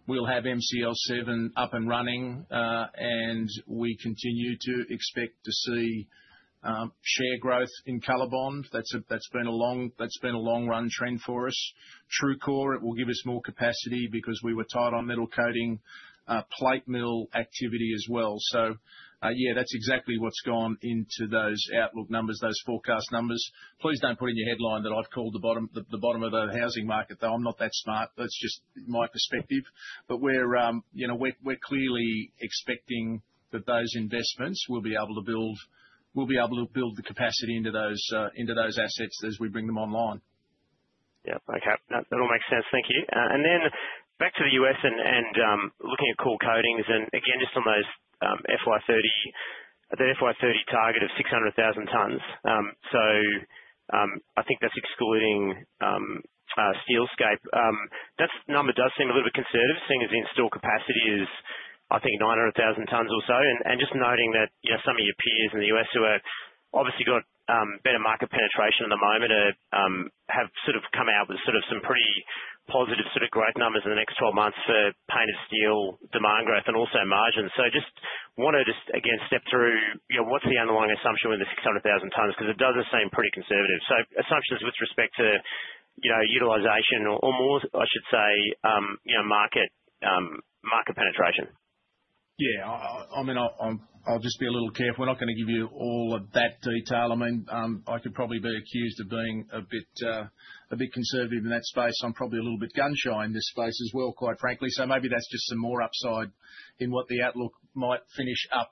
we'll have MCL7 up and running, and we continue to expect to see share growth in COLORBOND. That's been a long-run trend for us. TRUECORE, it will give us more capacity because we were tied on metal coating, plate mill activity as well. So yeah, that's exactly what's gone into those outlook numbers, those forecast numbers. Please don't put in your headline that I've called the bottom of the housing market, though. I'm not that smart. That's just my perspective. But we're clearly expecting that those investments, we'll be able to build the capacity into those assets as we bring them online. Yep. Okay. That all makes sense. Thank you. And then back to the U.S. and looking at Coil Coatings. And again, just on the FY 2030, the FY 2030 target of 600,000 tons. So I think that's excluding Steelscape. That number does seem a little bit conservative, seeing as the installed capacity is, I think, 900,000 tons or so. And just noting that some of your peers in the U.S. who have obviously got better market penetration at the moment have sort of come out with sort of some pretty positive sort of growth numbers in the next 12 months for painted steel demand growth and also margins. So just want to, again, step through what's the underlying assumption with the 600,000 tons? Because it does seem pretty conservative. So assumptions with respect to utilization or, more I should say, market penetration. Yeah. I mean, I'll just be a little careful. We're not going to give you all of that detail. I mean, I could probably be accused of being a bit conservative in that space. I'm probably a little bit gun-shy in this space as well, quite frankly. So maybe that's just some more upside in what the outlook might finish up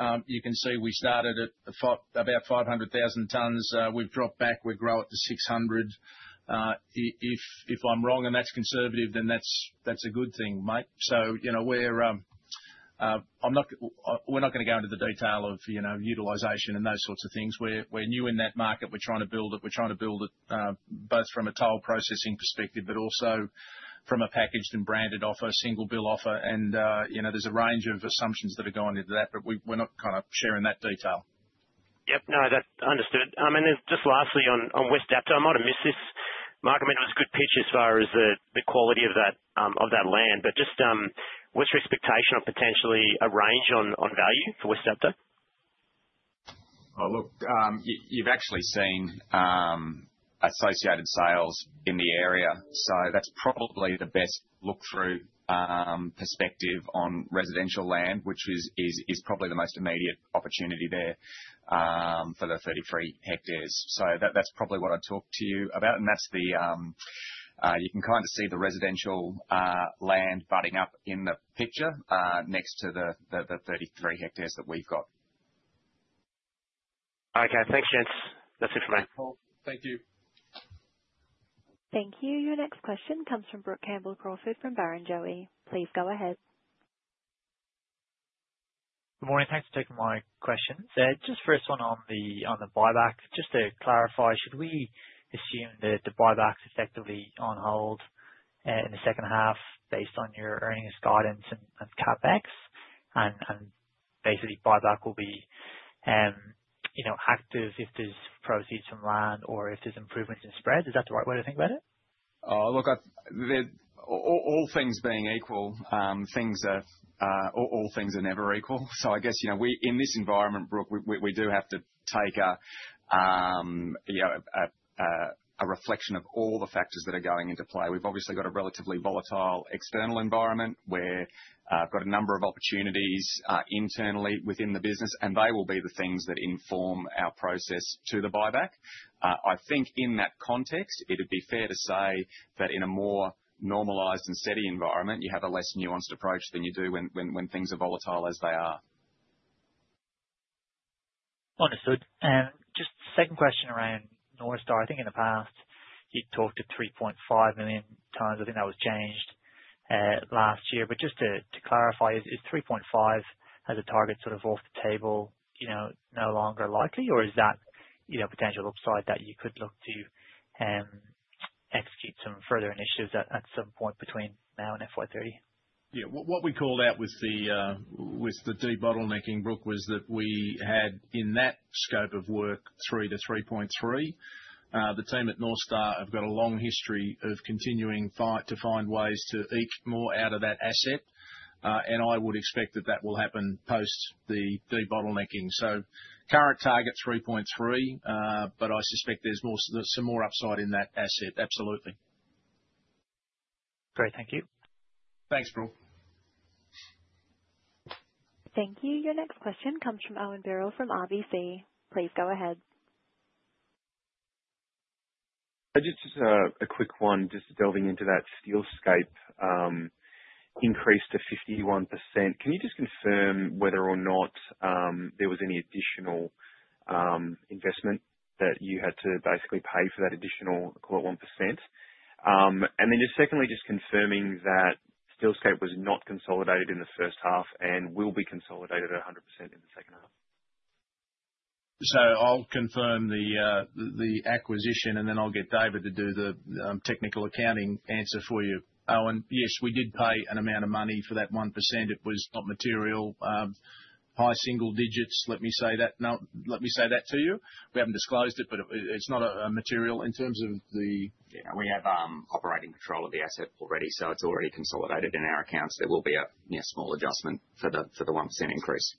at. You can see we started at about 500,000 tons. We've dropped back. We're growing to 600. If I'm wrong, and that's conservative, then that's a good thing, mate. So we're not going to go into the detail of utilization and those sorts of things. We're new in that market. We're trying to build it. We're trying to build it both from a toll processing perspective, but also from a packaged and branded offer, single bill offer. And there's a range of assumptions that are going into that, but we're not kind of sharing that detail. Yep. No, that's understood. I mean, just lastly on West Dapto, I might have missed this. Mark, I mean, it was a good pitch as far as the quality of that land. But just what's your expectation of potentially a range on value for West Dapto? Look, you've actually seen associated sales in the area. So that's probably the best look-through perspective on residential land, which is probably the most immediate opportunity there for the 33 hectares. So that's probably what I talked to you about. And you can kind of see the residential land butting up in the picture next to the 33 hectares that we've got. Okay. Thanks, Gents. That's it for me. Thank you. Thank you. Your next question comes from Brook Campbell-Crawford from Barrenjoey. Please go ahead. Good morning. Thanks for taking my question. Just first one on the buyback. Just to clarify, should we assume that the buyback's effectively on hold in the second half based on your earnings guidance and CapEx? And basically, buyback will be active if there's proceeds from land or if there's improvements in spread. Is that the right way to think about it? Look, all things being equal, all things are never equal. So I guess in this environment, Brook, we do have to take a reflection of all the factors that are going into play. We've obviously got a relatively volatile external environment where I've got a number of opportunities internally within the business, and they will be the things that inform our process to the buyback. I think in that context, it would be fair to say that in a more normalized and steady environment, you have a less nuanced approach than you do when things are volatile as they are. Understood. And just second question around North Star. I think in the past, you'd talked to 3.5 million tons. I think that was changed last year. But just to clarify, is 3.5 million as a target sort of off the table no longer likely, or is that a potential upside that you could look to execute some further initiatives at some point between now and FY 2030? Yeah. What we called out with the debottlenecking, Brook, was that we had in that scope of work through to 3.3 million. The team at North Star have got a long history of continuing to find ways to eke more out of that asset. And I would expect that that will happen post the debottlenecking. So current target, 3.3 million, but I suspect there's some more upside in that asset. Absolutely. Great. Thank you. Thanks, Paul. Thank you. Your next question comes from Owen Birrell from RBC. Please go ahead. Just a quick one. Just delving into that Steelscape increase to 51%. Can you just confirm whether or not there was any additional investment that you had to basically pay for that additional, call it, 1%? And then just secondly, just confirming that Steelscape was not consolidated in the first half and will be consolidated at 100% in the second half. So I'll confirm the acquisition, and then I'll get David to do the technical accounting answer for you. Owen, yes, we did pay an amount of money for that 1%. It was not material. High single digits. Let me say that. Let me say that to you. We haven't disclosed it, but it's not a material in terms of the. Yeah. We have operating control of the asset already, so it's already consolidated in our accounts. There will be a small adjustment for the 1% increase.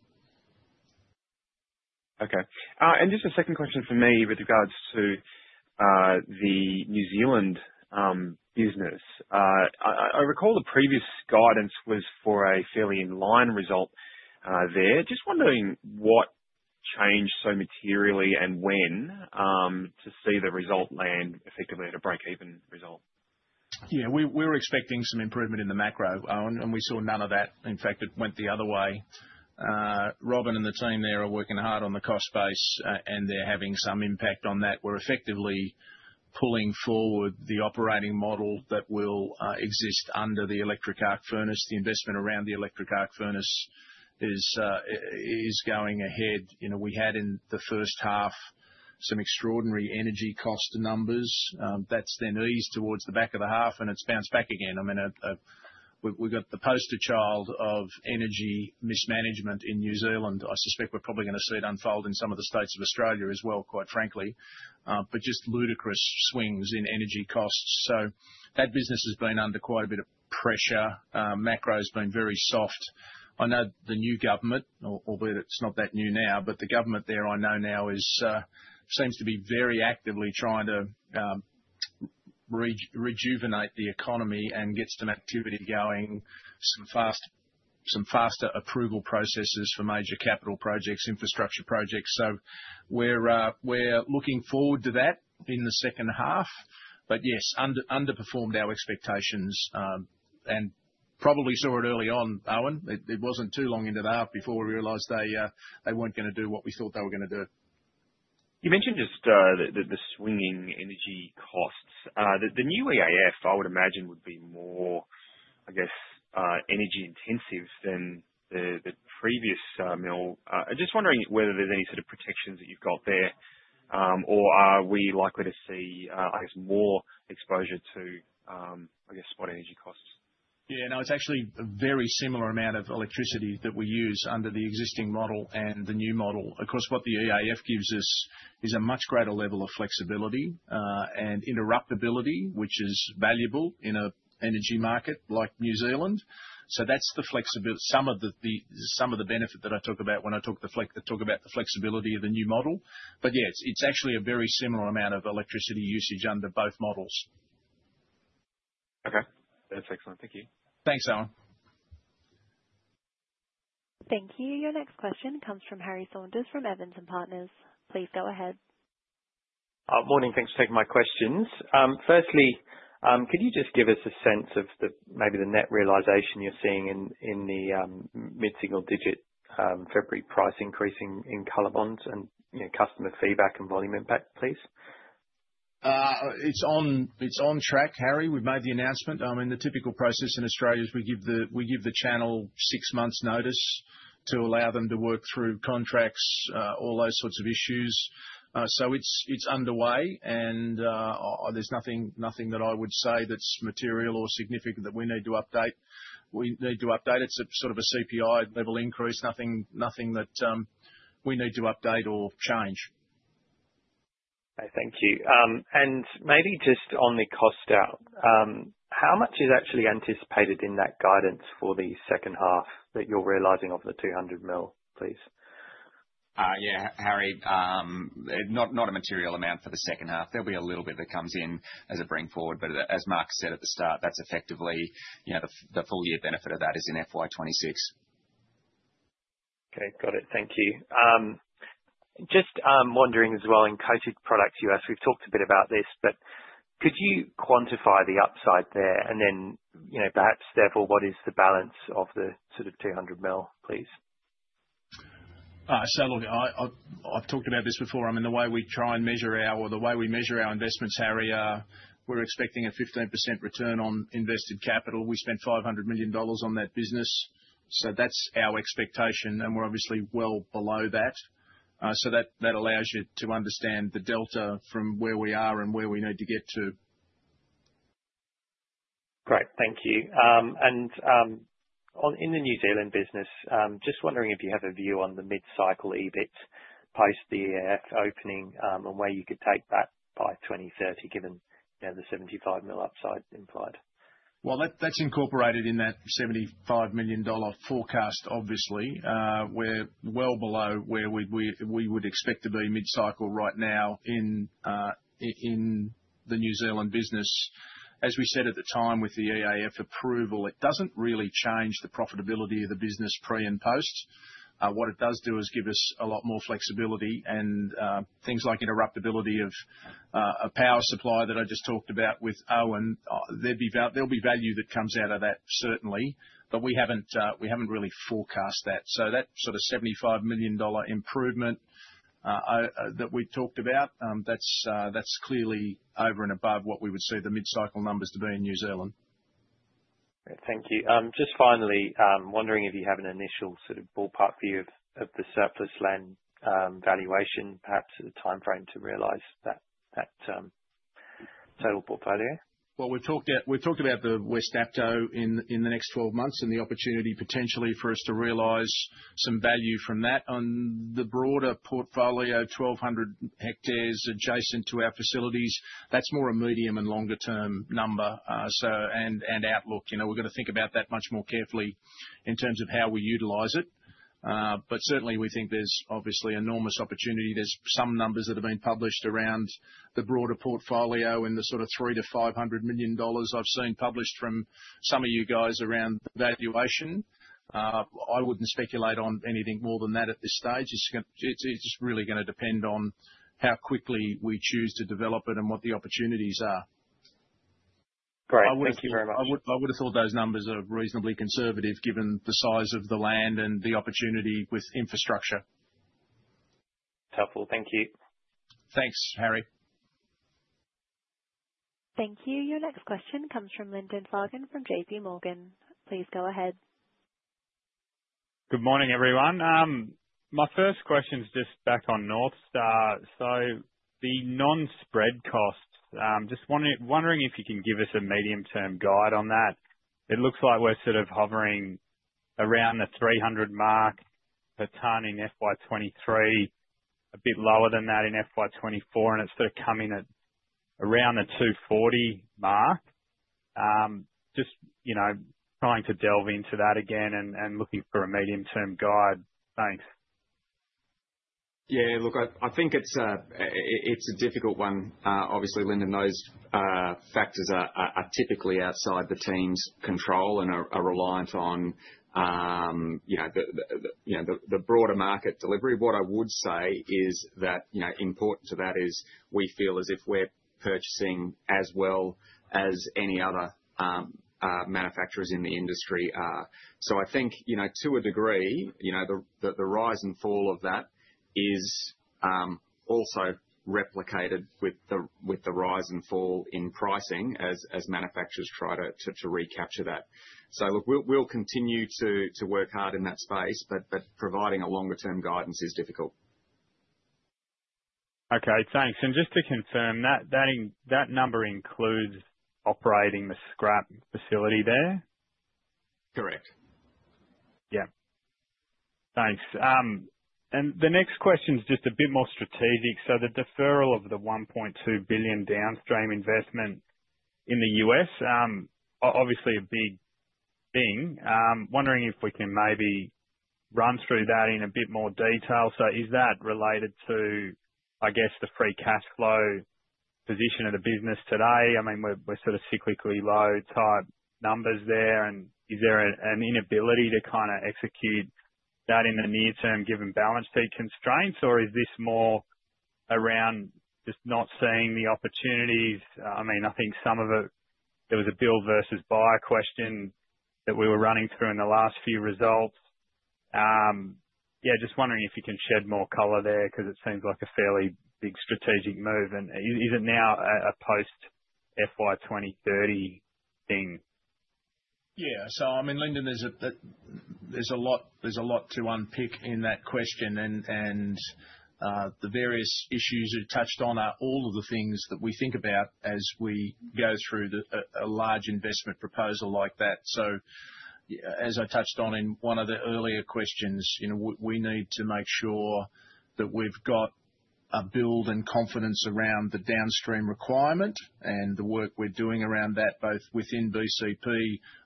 Okay. And just a second question for me with regards to the New Zealand business. I recall the previous guidance was for a fairly in-line result there. Just wondering what changed so materially and when to see the result land effectively at a break-even result. Yeah. We were expecting some improvement in the macro, and we saw none of that. In fact, it went the other way. Robin and the team there are working hard on the cost base, and they're having some impact on that. We're effectively pulling forward the operating model that will exist under the electric arc furnace. The investment around the electric arc furnace is going ahead. We had in the first half some extraordinary energy cost numbers. That's then eased towards the back of the half, and it's bounced back again. I mean, we've got the poster child of energy mismanagement in New Zealand. I suspect we're probably going to see it unfold in some of the states of Australia as well, quite frankly. But just ludicrous swings in energy costs. So that business has been under quite a bit of pressure. Macro has been very soft. I know the new government, although it's not that new now, but the government there I know now seems to be very actively trying to rejuvenate the economy and get some activity going, some faster approval processes for major capital projects, infrastructure projects. So we're looking forward to that in the second half. But yes, underperformed our expectations and probably saw it early on, Owen. It wasn't too long into the half before we realized they weren't going to do what we thought they were going to do. You mentioned just the swinging energy costs. The new EAF, I would imagine, would be more, I guess, energy intensive than the previous mill. Just wondering whether there's any sort of protections that you've got there, or are we likely to see, I guess, more exposure to, I guess, spot energy costs? Yeah. No, it's actually a very similar amount of electricity that we use under the existing model and the new model. Of course, what the EAF gives us is a much greater level of flexibility and interruptibility, which is valuable in an energy market like New Zealand. So that's some of the benefit that I talk about when I talk about the flexibility of the new model. But yeah, it's actually a very similar amount of electricity usage under both models. Okay. That's excellent. Thank you. Thanks, Owen. Thank you. Your next question comes from Harry Saunders from Evans & Partners. Please go ahead. Morning. Thanks for taking my questions. Firstly, could you just give us a sense of maybe the net realization you're seeing in the mid-single digit February price increase in COLORBOND and customer feedback and volume impact, please? It's on track, Harry. We've made the announcement. I mean, the typical process in Australia is we give the channel six months' notice to allow them to work through contracts, all those sorts of issues. So it's underway, and there's nothing that I would say that's material or significant that we need to update. It's sort of a CPI-level increase, nothing that we need to update or change. Okay. Thank you. And maybe just on the cost out, how much is actually anticipated in that guidance for the second half that you're realizing of the $200 million, please? Yeah. Harry, not a material amount for the second half. There'll be a little bit that comes in as a bring forward. But as Mark said at the start, that's effectively the full year benefit of that is in FY 2026. Okay. Got it. Thank you. Just wondering as well in coated products, you asked. We've talked a bit about this, but could you quantify the upside there? And then perhaps therefore, what is the balance of the sort of $200 million, please? So look, I've talked about this before. I mean, the way we measure our investments, Harry, we're expecting a 15% return on invested capital. We spent $500 million on that business. So that's our expectation, and we're obviously well below that. So that allows you to understand the delta from where we are and where we need to get to. Great. Thank you. And in the New Zealand business, just wondering if you have a view on the mid-cycle EBIT post the EAF opening and where you could take that by 2030 given the $75 million upside implied. That's incorporated in that $75 million forecast, obviously. We're well below where we would expect to be mid-cycle right now in the New Zealand business. As we said at the time with the EAF approval, it doesn't really change the profitability of the business pre and post. What it does do is give us a lot more flexibility and things like interruptibility of a power supply that I just talked about with Owen. There'll be value that comes out of that, certainly, but we haven't really forecast that. So that sort of $75 million improvement that we talked about, that's clearly over and above what we would see the mid-cycle numbers to be in New Zealand. Thank you. Just finally, wondering if you have an initial sort of ballpark view of the surplus land valuation, perhaps a timeframe to realize that total portfolio? We've talked about the West Dapto in the next 12 months and the opportunity potentially for us to realize some value from that. On the broader portfolio, 1,200 hectares adjacent to our facilities, that's more a medium and longer-term number and outlook. We've got to think about that much more carefully in terms of how we utilize it. But certainly, we think there's obviously enormous opportunity. There's some numbers that have been published around the broader portfolio and the sort of $300 million-$500 million I've seen published from some of you guys around valuation. I wouldn't speculate on anything more than that at this stage. It's just really going to depend on how quickly we choose to develop it and what the opportunities are. Great. Thank you very much. I would have thought those numbers are reasonably conservative given the size of the land and the opportunity with infrastructure. Helpful. Thank you. Thanks, Harry. Thank you. Your next question comes from Lyndon Fagan from J.P. Morgan. Please go ahead. Good morning, everyone. My first question's just back on North Star. So the non-spread costs, just wondering if you can give us a medium-term guide on that. It looks like we're sort of hovering around the 300 mark per ton in FY 2023, a bit lower than that in FY 2024, and it's sort of coming at around the 240 mark. Just trying to delve into that again and looking for a medium-term guide. Thanks. Yeah. Look, I think it's a difficult one. Obviously, Lyndon knows factors are typically outside the team's control and are reliant on the broader market delivery. What I would say is that important to that is we feel as if we're purchasing as well as any other manufacturers in the industry. So I think to a degree, the rise and fall of that is also replicated with the rise and fall in pricing as manufacturers try to recapture that. So look, we'll continue to work hard in that space, but providing a longer-term guidance is difficult. Okay. Thanks. And just to confirm, that number includes operating the scrap facility there? Correct. Yeah. Thanks. And the next question's just a bit more strategic. So the deferral of the $1.2 billion downstream investment in the U.S., obviously a big thing. Wondering if we can maybe run through that in a bit more detail. So is that related to, I guess, the free cash flow position of the business today? I mean, we're sort of cyclically low-type numbers there. Is there an inability to kind of execute that in the near term given balance sheet constraints, or is this more around just not seeing the opportunities? I mean, I think some of it, there was a build versus buy question that we were running through in the last few results. Yeah. Just wondering if you can shed more color there because it seems like a fairly big strategic move. And is it now a post-FY 2030 thing? Yeah. So I mean, Lyndon, there's a lot to unpick in that question. And the various issues you touched on are all of the things that we think about as we go through a large investment proposal like that. So as I touched on in one of the earlier questions, we need to make sure that we've got a build and confidence around the downstream requirement and the work we're doing around that, both within BCP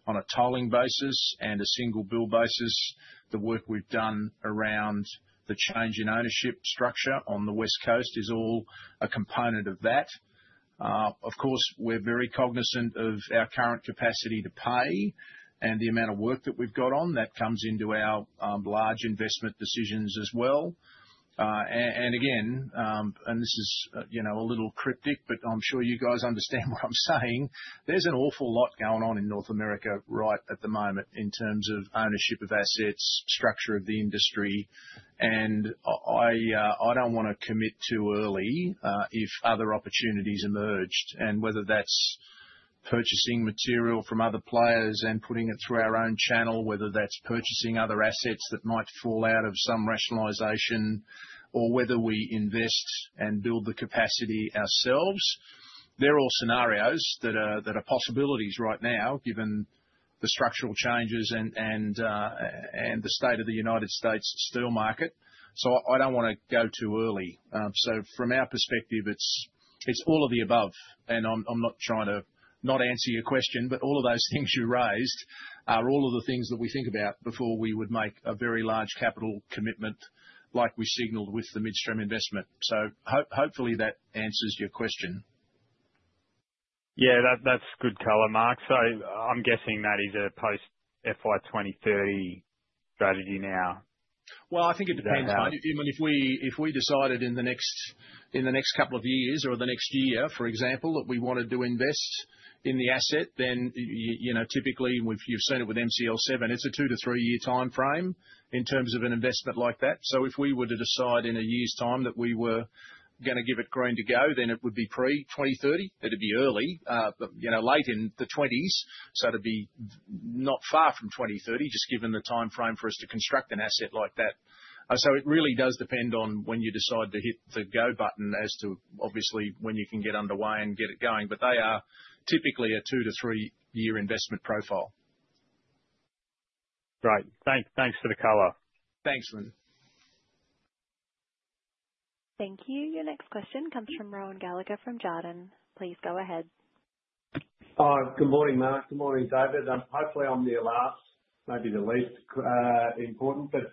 on a tolling basis and a single bill basis. The work we've done around the change in ownership structure on the West Coast is all a component of that. Of course, we're very cognizant of our current capacity to pay and the amount of work that we've got on that comes into our large investment decisions as well. And again, and this is a little cryptic, but I'm sure you guys understand what I'm saying. There's an awful lot going on in North America right at the moment in terms of ownership of assets, structure of the industry. And I don't want to commit too early if other opportunities emerged. And whether that's purchasing material from other players and putting it through our own channel, whether that's purchasing other assets that might fall out of some rationalization, or whether we invest and build the capacity ourselves. They're all scenarios that are possibilities right now given the structural changes and the state of the United States steel market. So I don't want to go too early. So from our perspective, it's all of the above. And I'm not trying to not answer your question, but all of those things you raised are all of the things that we think about before we would make a very large capital commitment like we signaled with the mid-stream investment. So hopefully that answers your question. Yeah. That's good color, Mark. So I'm guessing that is a post-FY 2030 strategy now. Well, I think it depends, mate. I mean, if we decided in the next couple of years or the next year, for example, that we wanted to invest in the asset, then typically you've seen it with MCL7. It's a two- to three-year timeframe in terms of an investment like that. So if we were to decide in a year's time that we were going to give it green to go, then it would be pre-2030. It'd be early, late in the 20s. So it'd be not far from 2030 just given the timeframe for us to construct an asset like that. So it really does depend on when you decide to hit the go button as to obviously when you can get underway and get it going. But they are typically a two- to three-year investment profile. Right. Thanks for the color. Thanks, Lyndon. Thank you. Your next question comes from Rohan Gallagher from Jarden. Please go ahead. Hi. Good morning, Mark. Good morning, David. Hopefully, I'm the last, maybe the least important. But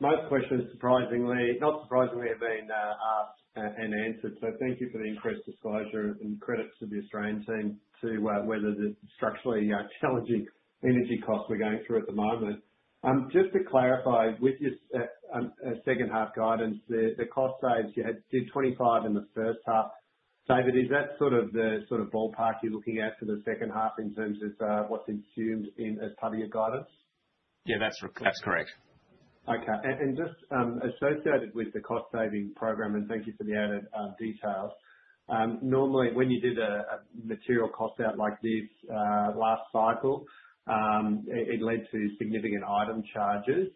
most questions, not surprisingly, have been asked and answered. So thank you for the increased disclosure and credit to the Australian team to weather the structurally challenging energy costs we're going through at the moment. Just to clarify with your second half guidance, the cost saves you had did 25 in the first half. David, is that sort of the ballpark you're looking at for the second half in terms of what's assumed as part of your guidance? Yeah. That's correct. Okay. And just associated with the cost-saving program, and thank you for the added details, normally when you did a material cost out like this last cycle, it led to significant impairment charges.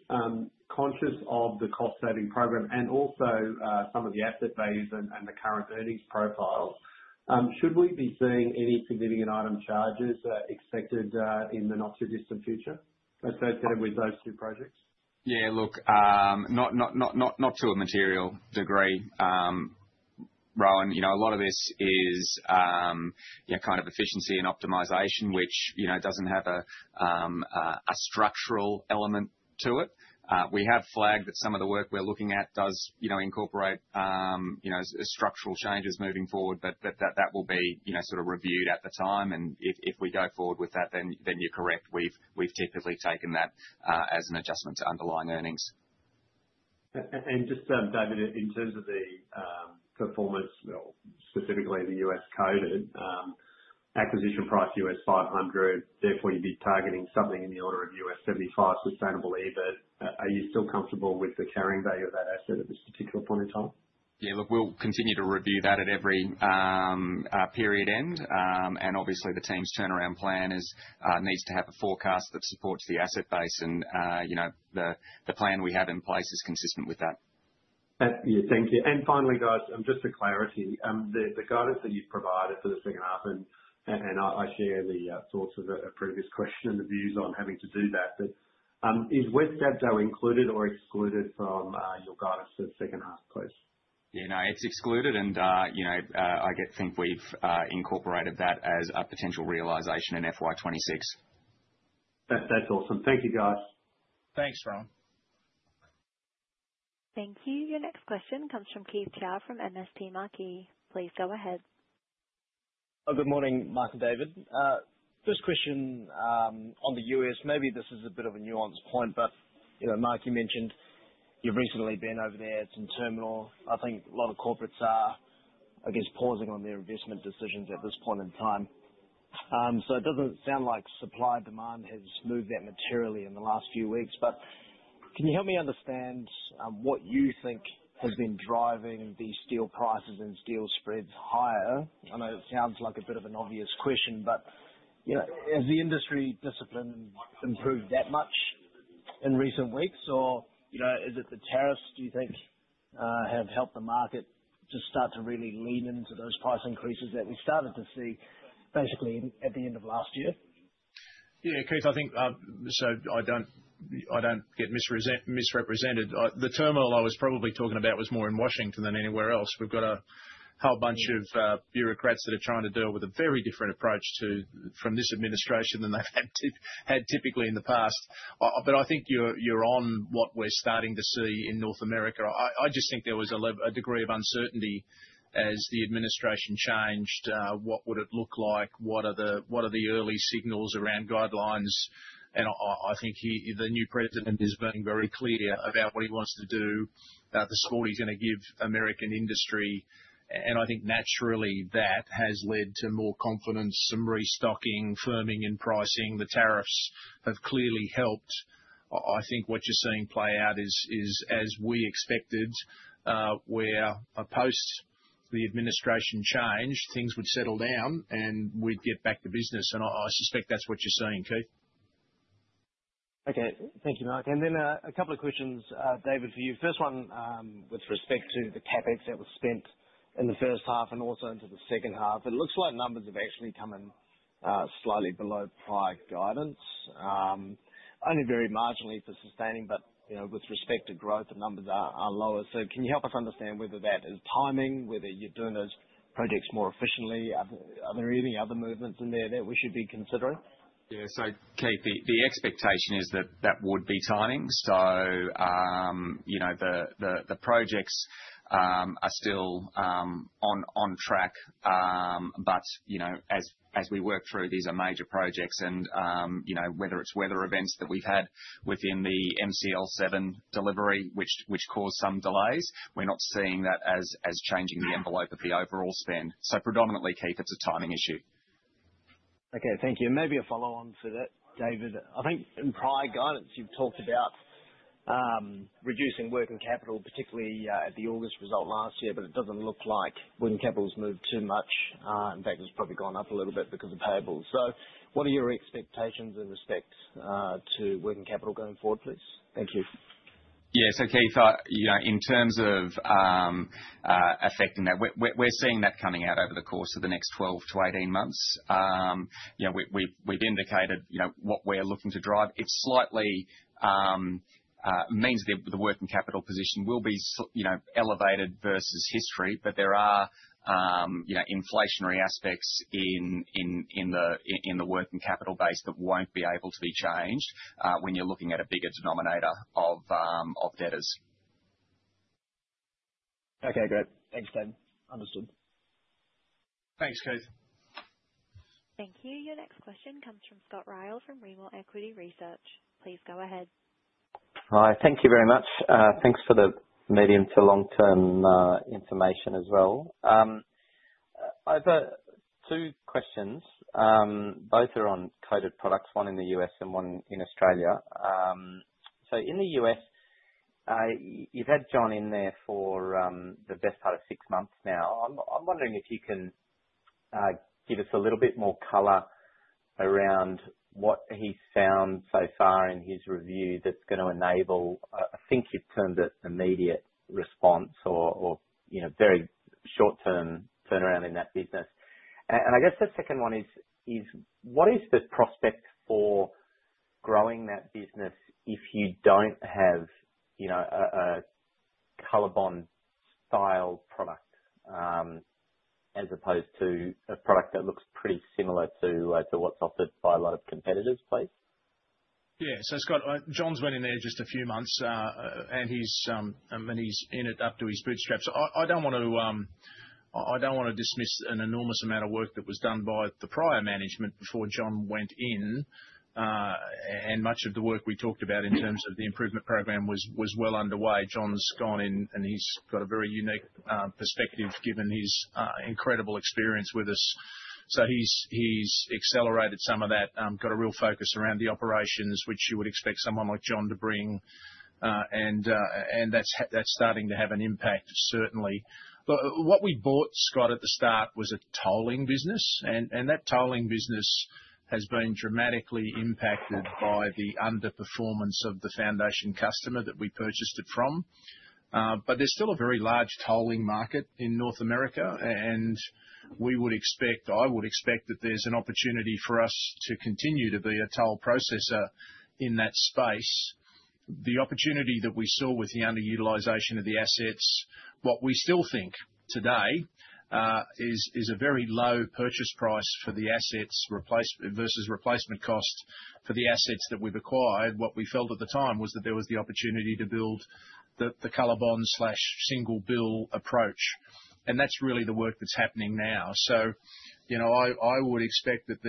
Conscious of the cost-saving program and also some of the asset values and the current earnings profiles, should we be seeing any significant item charges expected in the not-too-distant future associated with those two projects? Yeah. Look, not to a material degree. Rohan, a lot of this is kind of efficiency and optimization, which doesn't have a structural element to it. We have flagged that some of the work we're looking at does incorporate structural changes moving forward, but that will be sort of reviewed at the time. And if we go forward with that, then you're correct. We've typically taken that as an adjustment to underlying earnings. And just, David, in terms of the performance, specifically the U.S. coated acquisition price, $500, therefore you'd be targeting something in the order of $75 sustainable EBIT. Are you still comfortable with the carrying value of that asset at this particular point in time? Yeah. Look, we'll continue to review that at every period end. And obviously, the team's turnaround plan needs to have a forecast that supports the asset base. And the plan we have in place is consistent with that. Thank you. And finally, guys, just for clarity, the guidance that you've provided for the second half, and I share the thoughts of a previous question and the views on having to do that, but is West Dapto included or excluded from your guidance for the second half, please? Yeah. No. It's excluded. And I think we've incorporated that as a potential realization in FY 2026. That's awesome. Thank you, guys. Thanks, Rohan. Thank you. Your next question comes from Keith Chau from MST Marquee. Please go ahead. Good morning, Mark and David. First question on the U.S. Maybe this is a bit of a nuanced point, but Mark, you mentioned you've recently been over there at some terminal. I think a lot of corporates are, I guess, pausing on their investment decisions at this point in time. So it doesn't sound like supply demand has moved that materially in the last few weeks. But can you help me understand what you think has been driving the steel prices and steel spreads higher? I know it sounds like a bit of an obvious question, but has the industry discipline improved that much in recent weeks, or is it the tariffs do you think have helped the market to start to really lean into those price increases that we started to see basically at the end of last year? Yeah. Keith, I think so I don't get misrepresented. The terminal I was probably talking about was more in Washington, D.C. than anywhere else. We've got a whole bunch of bureaucrats that are trying to deal with a very different approach from this administration than they've had typically in the past, but I think you're on what we're starting to see in North America. I just think there was a degree of uncertainty as the administration changed. What would it look like? What are the early signals around guidelines? And I think the new president is being very clear about what he wants to do, the support he's going to give American industry, and I think naturally that has led to more confidence, some restocking, firming in pricing. The tariffs have clearly helped. I think what you're seeing play out is, as we expected, where post the administration changed, things would settle down and we'd get back to business. I suspect that's what you're saying, Keith. Okay. Thank you, Mark. Then a couple of questions, David, for you. First one with respect to the CapEx that was spent in the first half and also into the second half. It looks like numbers have actually come in slightly below prior guidance, only very marginally for sustaining, but with respect to growth, the numbers are lower. Can you help us understand whether that is timing, whether you're doing those projects more efficiently? Are there any other movements in there that we should be considering? Yeah. Keith, the expectation is that that would be timing. The projects are still on track. But as we work through these major projects, and whether it's weather events that we've had within the MCL7 delivery, which caused some delays, we're not seeing that as changing the envelope of the overall spend. So predominantly, Keith, it's a timing issue. Okay. Thank you. And maybe a follow-on to that, David. I think in prior guidance, you've talked about reducing working capital, particularly at the August result last year, but it doesn't look like working capital has moved too much. In fact, it's probably gone up a little bit because of payables. So what are your expectations with respect to working capital going forward, please? Thank you. Yeah. So Keith, in terms of affecting that, we're seeing that coming out over the course of the next 12-18 months. We've indicated what we're looking to drive. It slightly means the working capital position will be elevated versus history, but there are inflationary aspects in the working capital base that won't be able to be changed when you're looking at a bigger denominator of debtors. Okay. Great. Thanks, David. Understood. Thanks, Keith. Thank you. Your next question comes from Scott Ryall from Rimor Equity Research. Please go ahead. Hi. Thank you very much. Thanks for the medium to long-term information as well. I've got two questions. Both are on coated products, one in the U.S. and one in Australia. So in the U.S., you've had John in there for the best part of six months now. I'm wondering if you can give us a little bit more color around what he's found so far in his review that's going to enable, I think you've termed it immediate response or very short-term turnaround in that business. And I guess the second one is, what is the prospect for growing that business if you don't have a COLORBOND style product as opposed to a product that looks pretty similar to what's offered by a lot of competitors, please? Yeah. John's been in there just a few months, and he's in it up to his bootstraps. I don't want to dismiss an enormous amount of work that was done by the prior management before John went in. Much of the work we talked about in terms of the improvement program was well underway. John's gone in, and he's got a very unique perspective given his incredible experience with us. He's accelerated some of that, got a real focus around the operations, which you would expect someone like John to bring. That's starting to have an impact, certainly. What we bought, Scott, at the start was a tolling business. That tolling business has been dramatically impacted by the underperformance of the foundation customer that we purchased it from. There's still a very large tolling market in North America. We would expect, I would expect that there's an opportunity for us to continue to be a toll processor in that space. The opportunity that we saw with the underutilization of the assets, what we still think today is a very low purchase price for the assets versus replacement cost for the assets that we've acquired. What we felt at the time was that there was the opportunity to build the COLORBOND/single bill approach. That's really the work that's happening now. I would expect that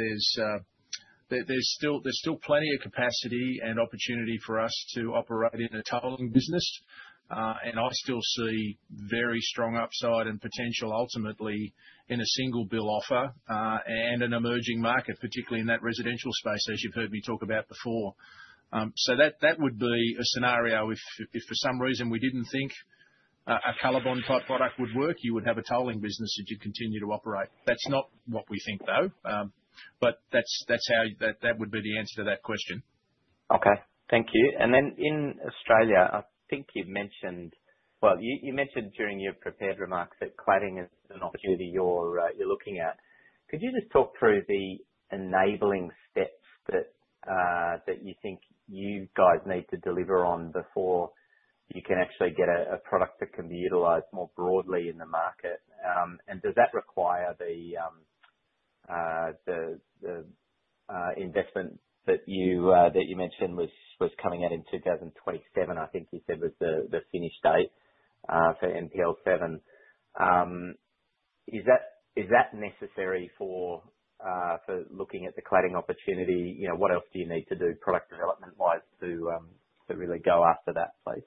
there's still plenty of capacity and opportunity for us to operate in a tolling business. I still see very strong upside and potential ultimately in a single skin offer and an emerging market, particularly in that residential space, as you've heard me talk about before. So that would be a scenario if for some reason we didn't think a COLORBOND type product would work, you would have a tolling business that you'd continue to operate. That's not what we think, though. But that's how that would be the answer to that question. Okay. Thank you. And then in Australia, I think you mentioned, well, you mentioned during your prepared remarks that cladding is an opportunity you're looking at. Could you just talk through the enabling steps that you think you guys need to deliver on before you can actually get a product that can be utilized more broadly in the market? And does that require the investment that you mentioned was coming out in 2027? I think you said was the finish date for MCL7. Is that necessary for looking at the cladding opportunity? What else do you need to do product development-wise to really go after that, please?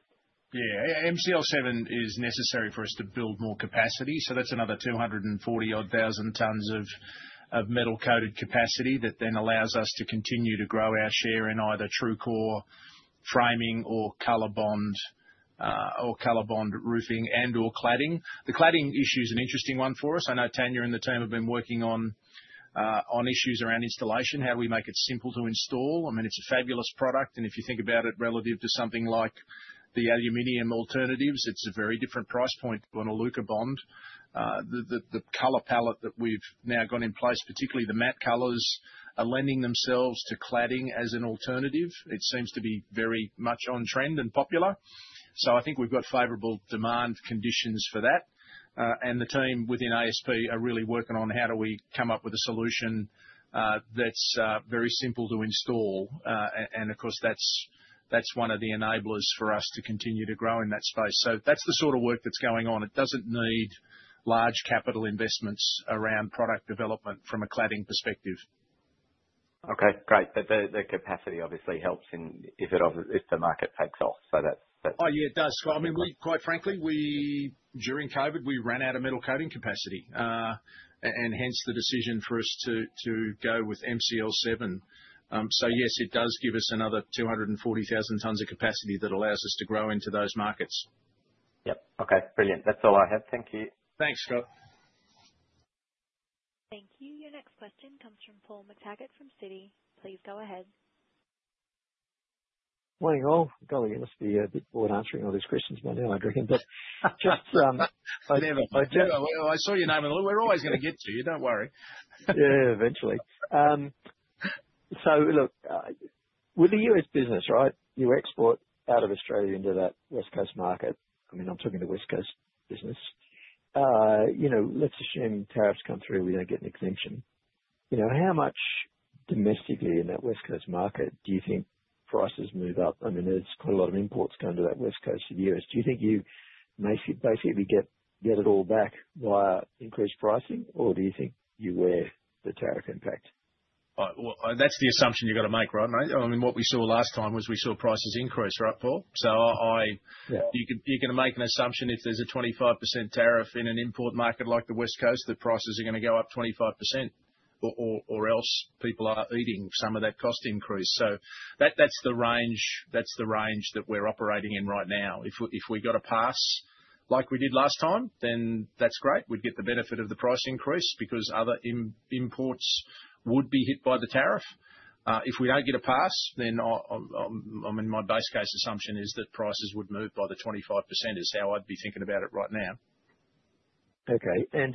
Yeah. MCL7 is necessary for us to build more capacity. So that's another 240-odd thousand tons of metal-coated capacity that then allows us to continue to grow our share in either TRUECORE framing or COLORBOND or COLORBOND roofing and/or cladding. The cladding issue is an interesting one for us. I know Tania and the team have been working on issues around installation, how do we make it simple to install? I mean, it's a fabulous product. And if you think about it relative to something like the aluminum alternatives, it's a very different price point on an Alucobond. The color palette that we've now got in place, particularly the matte colors, are lending themselves to cladding as an alternative. It seems to be very much on trend and popular. So I think we've got favorable demand conditions for that. And the team within ASP are really working on how do we come up with a solution that's very simple to install. And of course, that's one of the enablers for us to continue to grow in that space. So that's the sort of work that's going on. It doesn't need large capital investments around product development from a cladding perspective. Okay. Great. But the capacity obviously helps if the market takes off. So that's. Oh, yeah, it does. I mean, quite frankly, during COVID, we ran out of metal-coating capacity. And hence the decision for us to go with MCL7. So yes, it does give us another 240,000 tons of capacity that allows us to grow into those markets. Yep. Okay. Brilliant. That's all I have. Thank you. Thanks, Scott. Thank you. Your next question comes from Paul McTaggart from Citi. Please go ahead. Well, you've got to be a bit bored answering all these questions by now, I reckon. But just. Never. I saw your name in the loop. We're always going to get to you. Don't worry. Yeah. Eventually. So look, with the U.S. business, right, you export out of Australia into that West Coast market. I mean, I'm talking to West Coast business. Let's assume tariffs come through, we don't get an exemption. How much domestically in that West Coast market do you think prices move up? I mean, there's quite a lot of imports going to that West Coast of the U.S. Do you think you basically get it all back via increased pricing, or do you think you wear the tariff impact? That's the assumption you've got to make, right? I mean, what we saw last time was we saw prices increase, right, Paul? So you're going to make an assumption if there's a 25% tariff in an import market like the West Coast, that prices are going to go up 25% or else people are eating some of that cost increase. So that's the range that we're operating in right now. If we got a pass like we did last time, then that's great. We'd get the benefit of the price increase because other imports would be hit by the tariff. If we don't get a pass, then my base case assumption is that prices would move by the 25% is how I'd be thinking about it right now. Okay.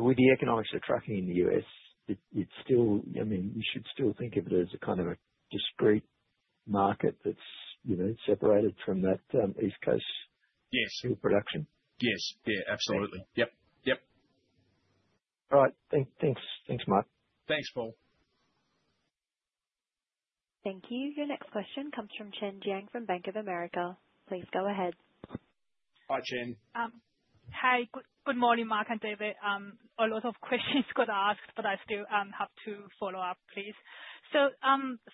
With the economics that are tracking in the U.S., I mean, you should still think of it as a kind of a discrete market that's separated from that East Coast steel production? Yes. Yeah. Absolutely. Yep. Yep. All right. Thanks. Thanks, Mark. Thanks, Paul. Thank you. Your next question comes from Chen Jiang from Bank of America. Please go ahead. Hi, Chen. Hi. Good morning, Mark and David. A lot of questions got asked, but I still have to follow up, please. So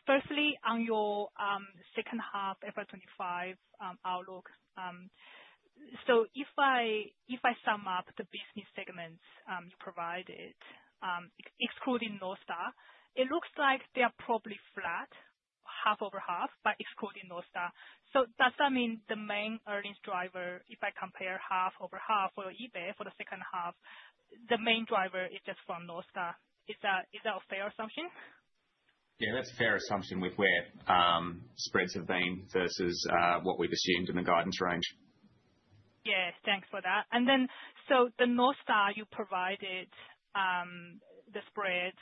firstly, on your second half FY 2025 outlook, so if I sum up the business segments you provided, excluding North Star, it looks like they are probably flat, half over half, by excluding North Star. So does that mean the main earnings driver, if I compare half over half for EBIT for the second half, the main driver is just from North Star? Is that a fair assumption? Yeah. That's a fair assumption with where spreads have been versus what we've assumed in the guidance range. Yes. Thanks for that. And then so the North Star you provided the spread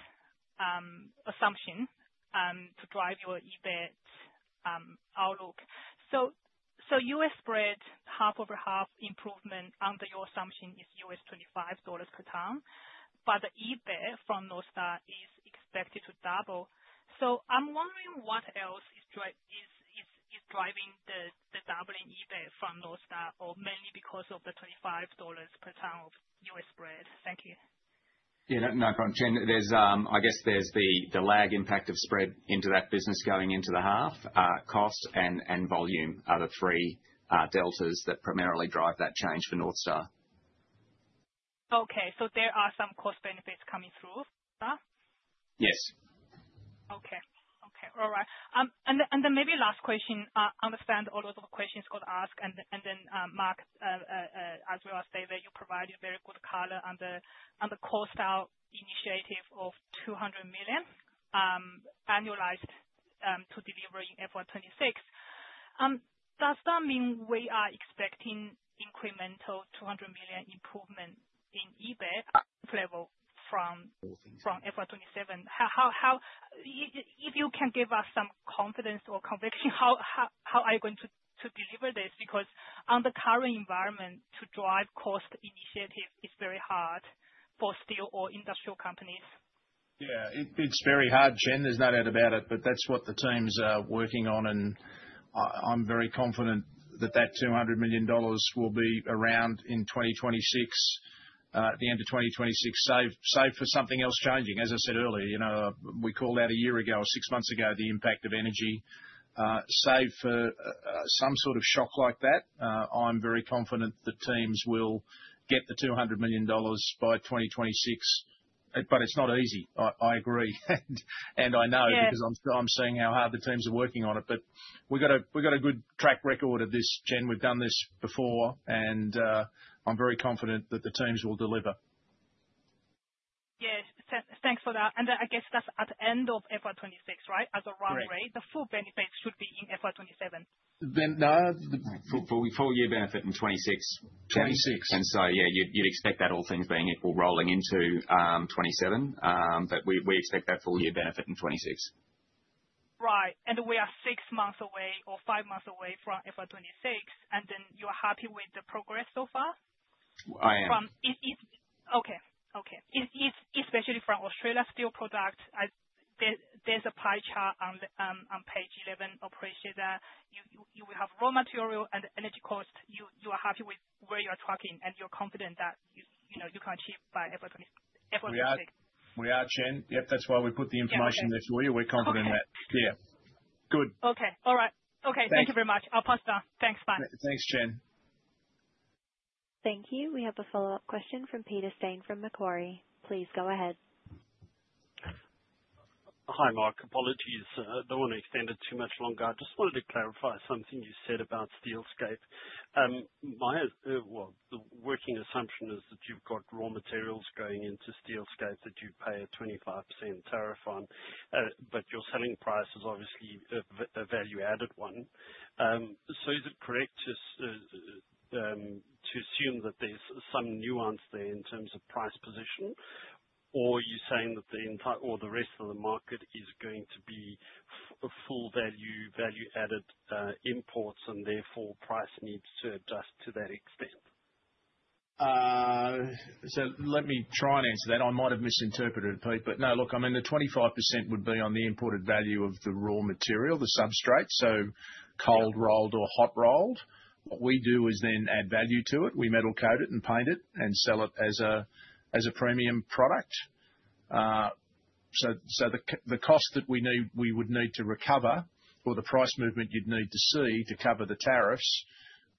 assumption to drive your EBIT outlook. So U.S. spread half over half improvement under your assumption is $25 per ton, but the EBIT from North Star is expected to double. So I'm wondering what else is driving the doubling EBIT from North Star, or mainly because of the $25 per ton of U.S. spread? Thank you. Yeah. No, go on, Chen. I guess there's the lag impact of spread into that business going into the half, cost and volume are the three deltas that primarily drive that change for North Star. Okay. So there are some cost benefits coming through? Yes. Okay. Okay. All right. And then maybe last question, I understand a lot of questions got asked. And then Mark, as well, I'll say that you provided very good color under the cost out initiative of $200 million annualized to deliver in FY 2026. Does that mean we are expecting incremental $200 million improvement in EBIT uplift level from FY 2027? If you can give us some confide conviction, how are you going to deliver this? Because under current environment, to drive cost initiative is very hard for steel or industrial companies. Yeah. It's very hard, Chen. There's no doubt about it. But that's what the team's working on. And I'm very confident that that $200 million will be around in 2026, at the end of 2026, save for something else changing. As I said earlier, we called out a year ago, six months ago, the impact of energy. Save for some sort of shock like that. I'm very confident the teams will get the $200 million by 2026. But it's not easy. I agree. And I know because I'm seeing how hard the teams are working on it. But we've got a good track record of this, Chen. We've done this before. And I'm very confident that the teams will deliver. Yes. Thanks for that. And I guess that's at the end of FY 2026, right, as a runway? The full benefits should be in FY 2027? No. Full year benefit in 2026. 2026? And so, yeah, you'd expect that all things being equal rolling into 2027. But we expect that full year benefit in 2026. Right. And we are six months away or five months away from FY 2026. And then you're happy with the progress so far? I am. Okay. Okay. Especially from Australian Steel Products, there's a pie chart on page 11. I appreciate that. You will have raw material and energy cost. You are happy with where you are tracking, and you're confident that you can achieve by FY 2026. We are, Chen. Yep. That's why we put the information there for you. We're confident in that. Yeah. Good. Okay. All right. Okay. Thank you very much. I'll pass it down. Thanks. Bye. Thanks, Chen. Thank you. We have a follow-up question from Peter Steyn from Macquarie. Please go ahead. Hi, Mark. Apologies. I don't want to extend it too much longer. I just wanted to clarify something you said about Steelscape. My working assumption is that you've got raw materials going into Steelscape that you pay a 25% tariff on. But your selling price is obviously a value-added one. So is it correct to assume that there's some nuance there in terms of price position? Or are you saying that the rest of the market is going to be full value, value-added imports, and therefore price needs to adjust to that extent? So let me try and answer that. I might have misinterpreted it, Peter. But no, look, I mean, the 25% would be on the imported value of the raw material, the substrate. So cold rolled or hot rolled. What we do is then add value to it. We metal-coat it and paint it and sell it as a premium product. So the cost that we would need to recover or the price movement you'd need to see to cover the tariffs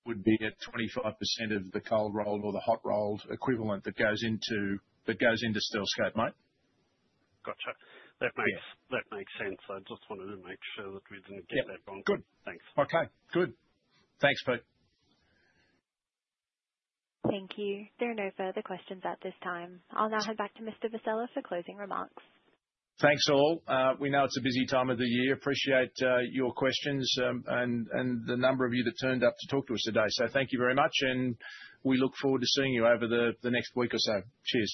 would be at 25% of the cold rolled or the hot rolled equivalent that goes into Steelscape, mate. Gotcha. That makes sense. I just wanted to make sure that we didn't get that wrong. Good. Thanks. Okay. Good. Thanks mate. Thank you. There are no further questions at this time. I'll now hand back to Mr. Vassella for closing remarks. Thanks, all. We know it's a busy time of the year. Appreciate your questions and the number of you that turned up to talk to us today. So thank you very much. And we look forward to seeing you over the next week or so. Cheers.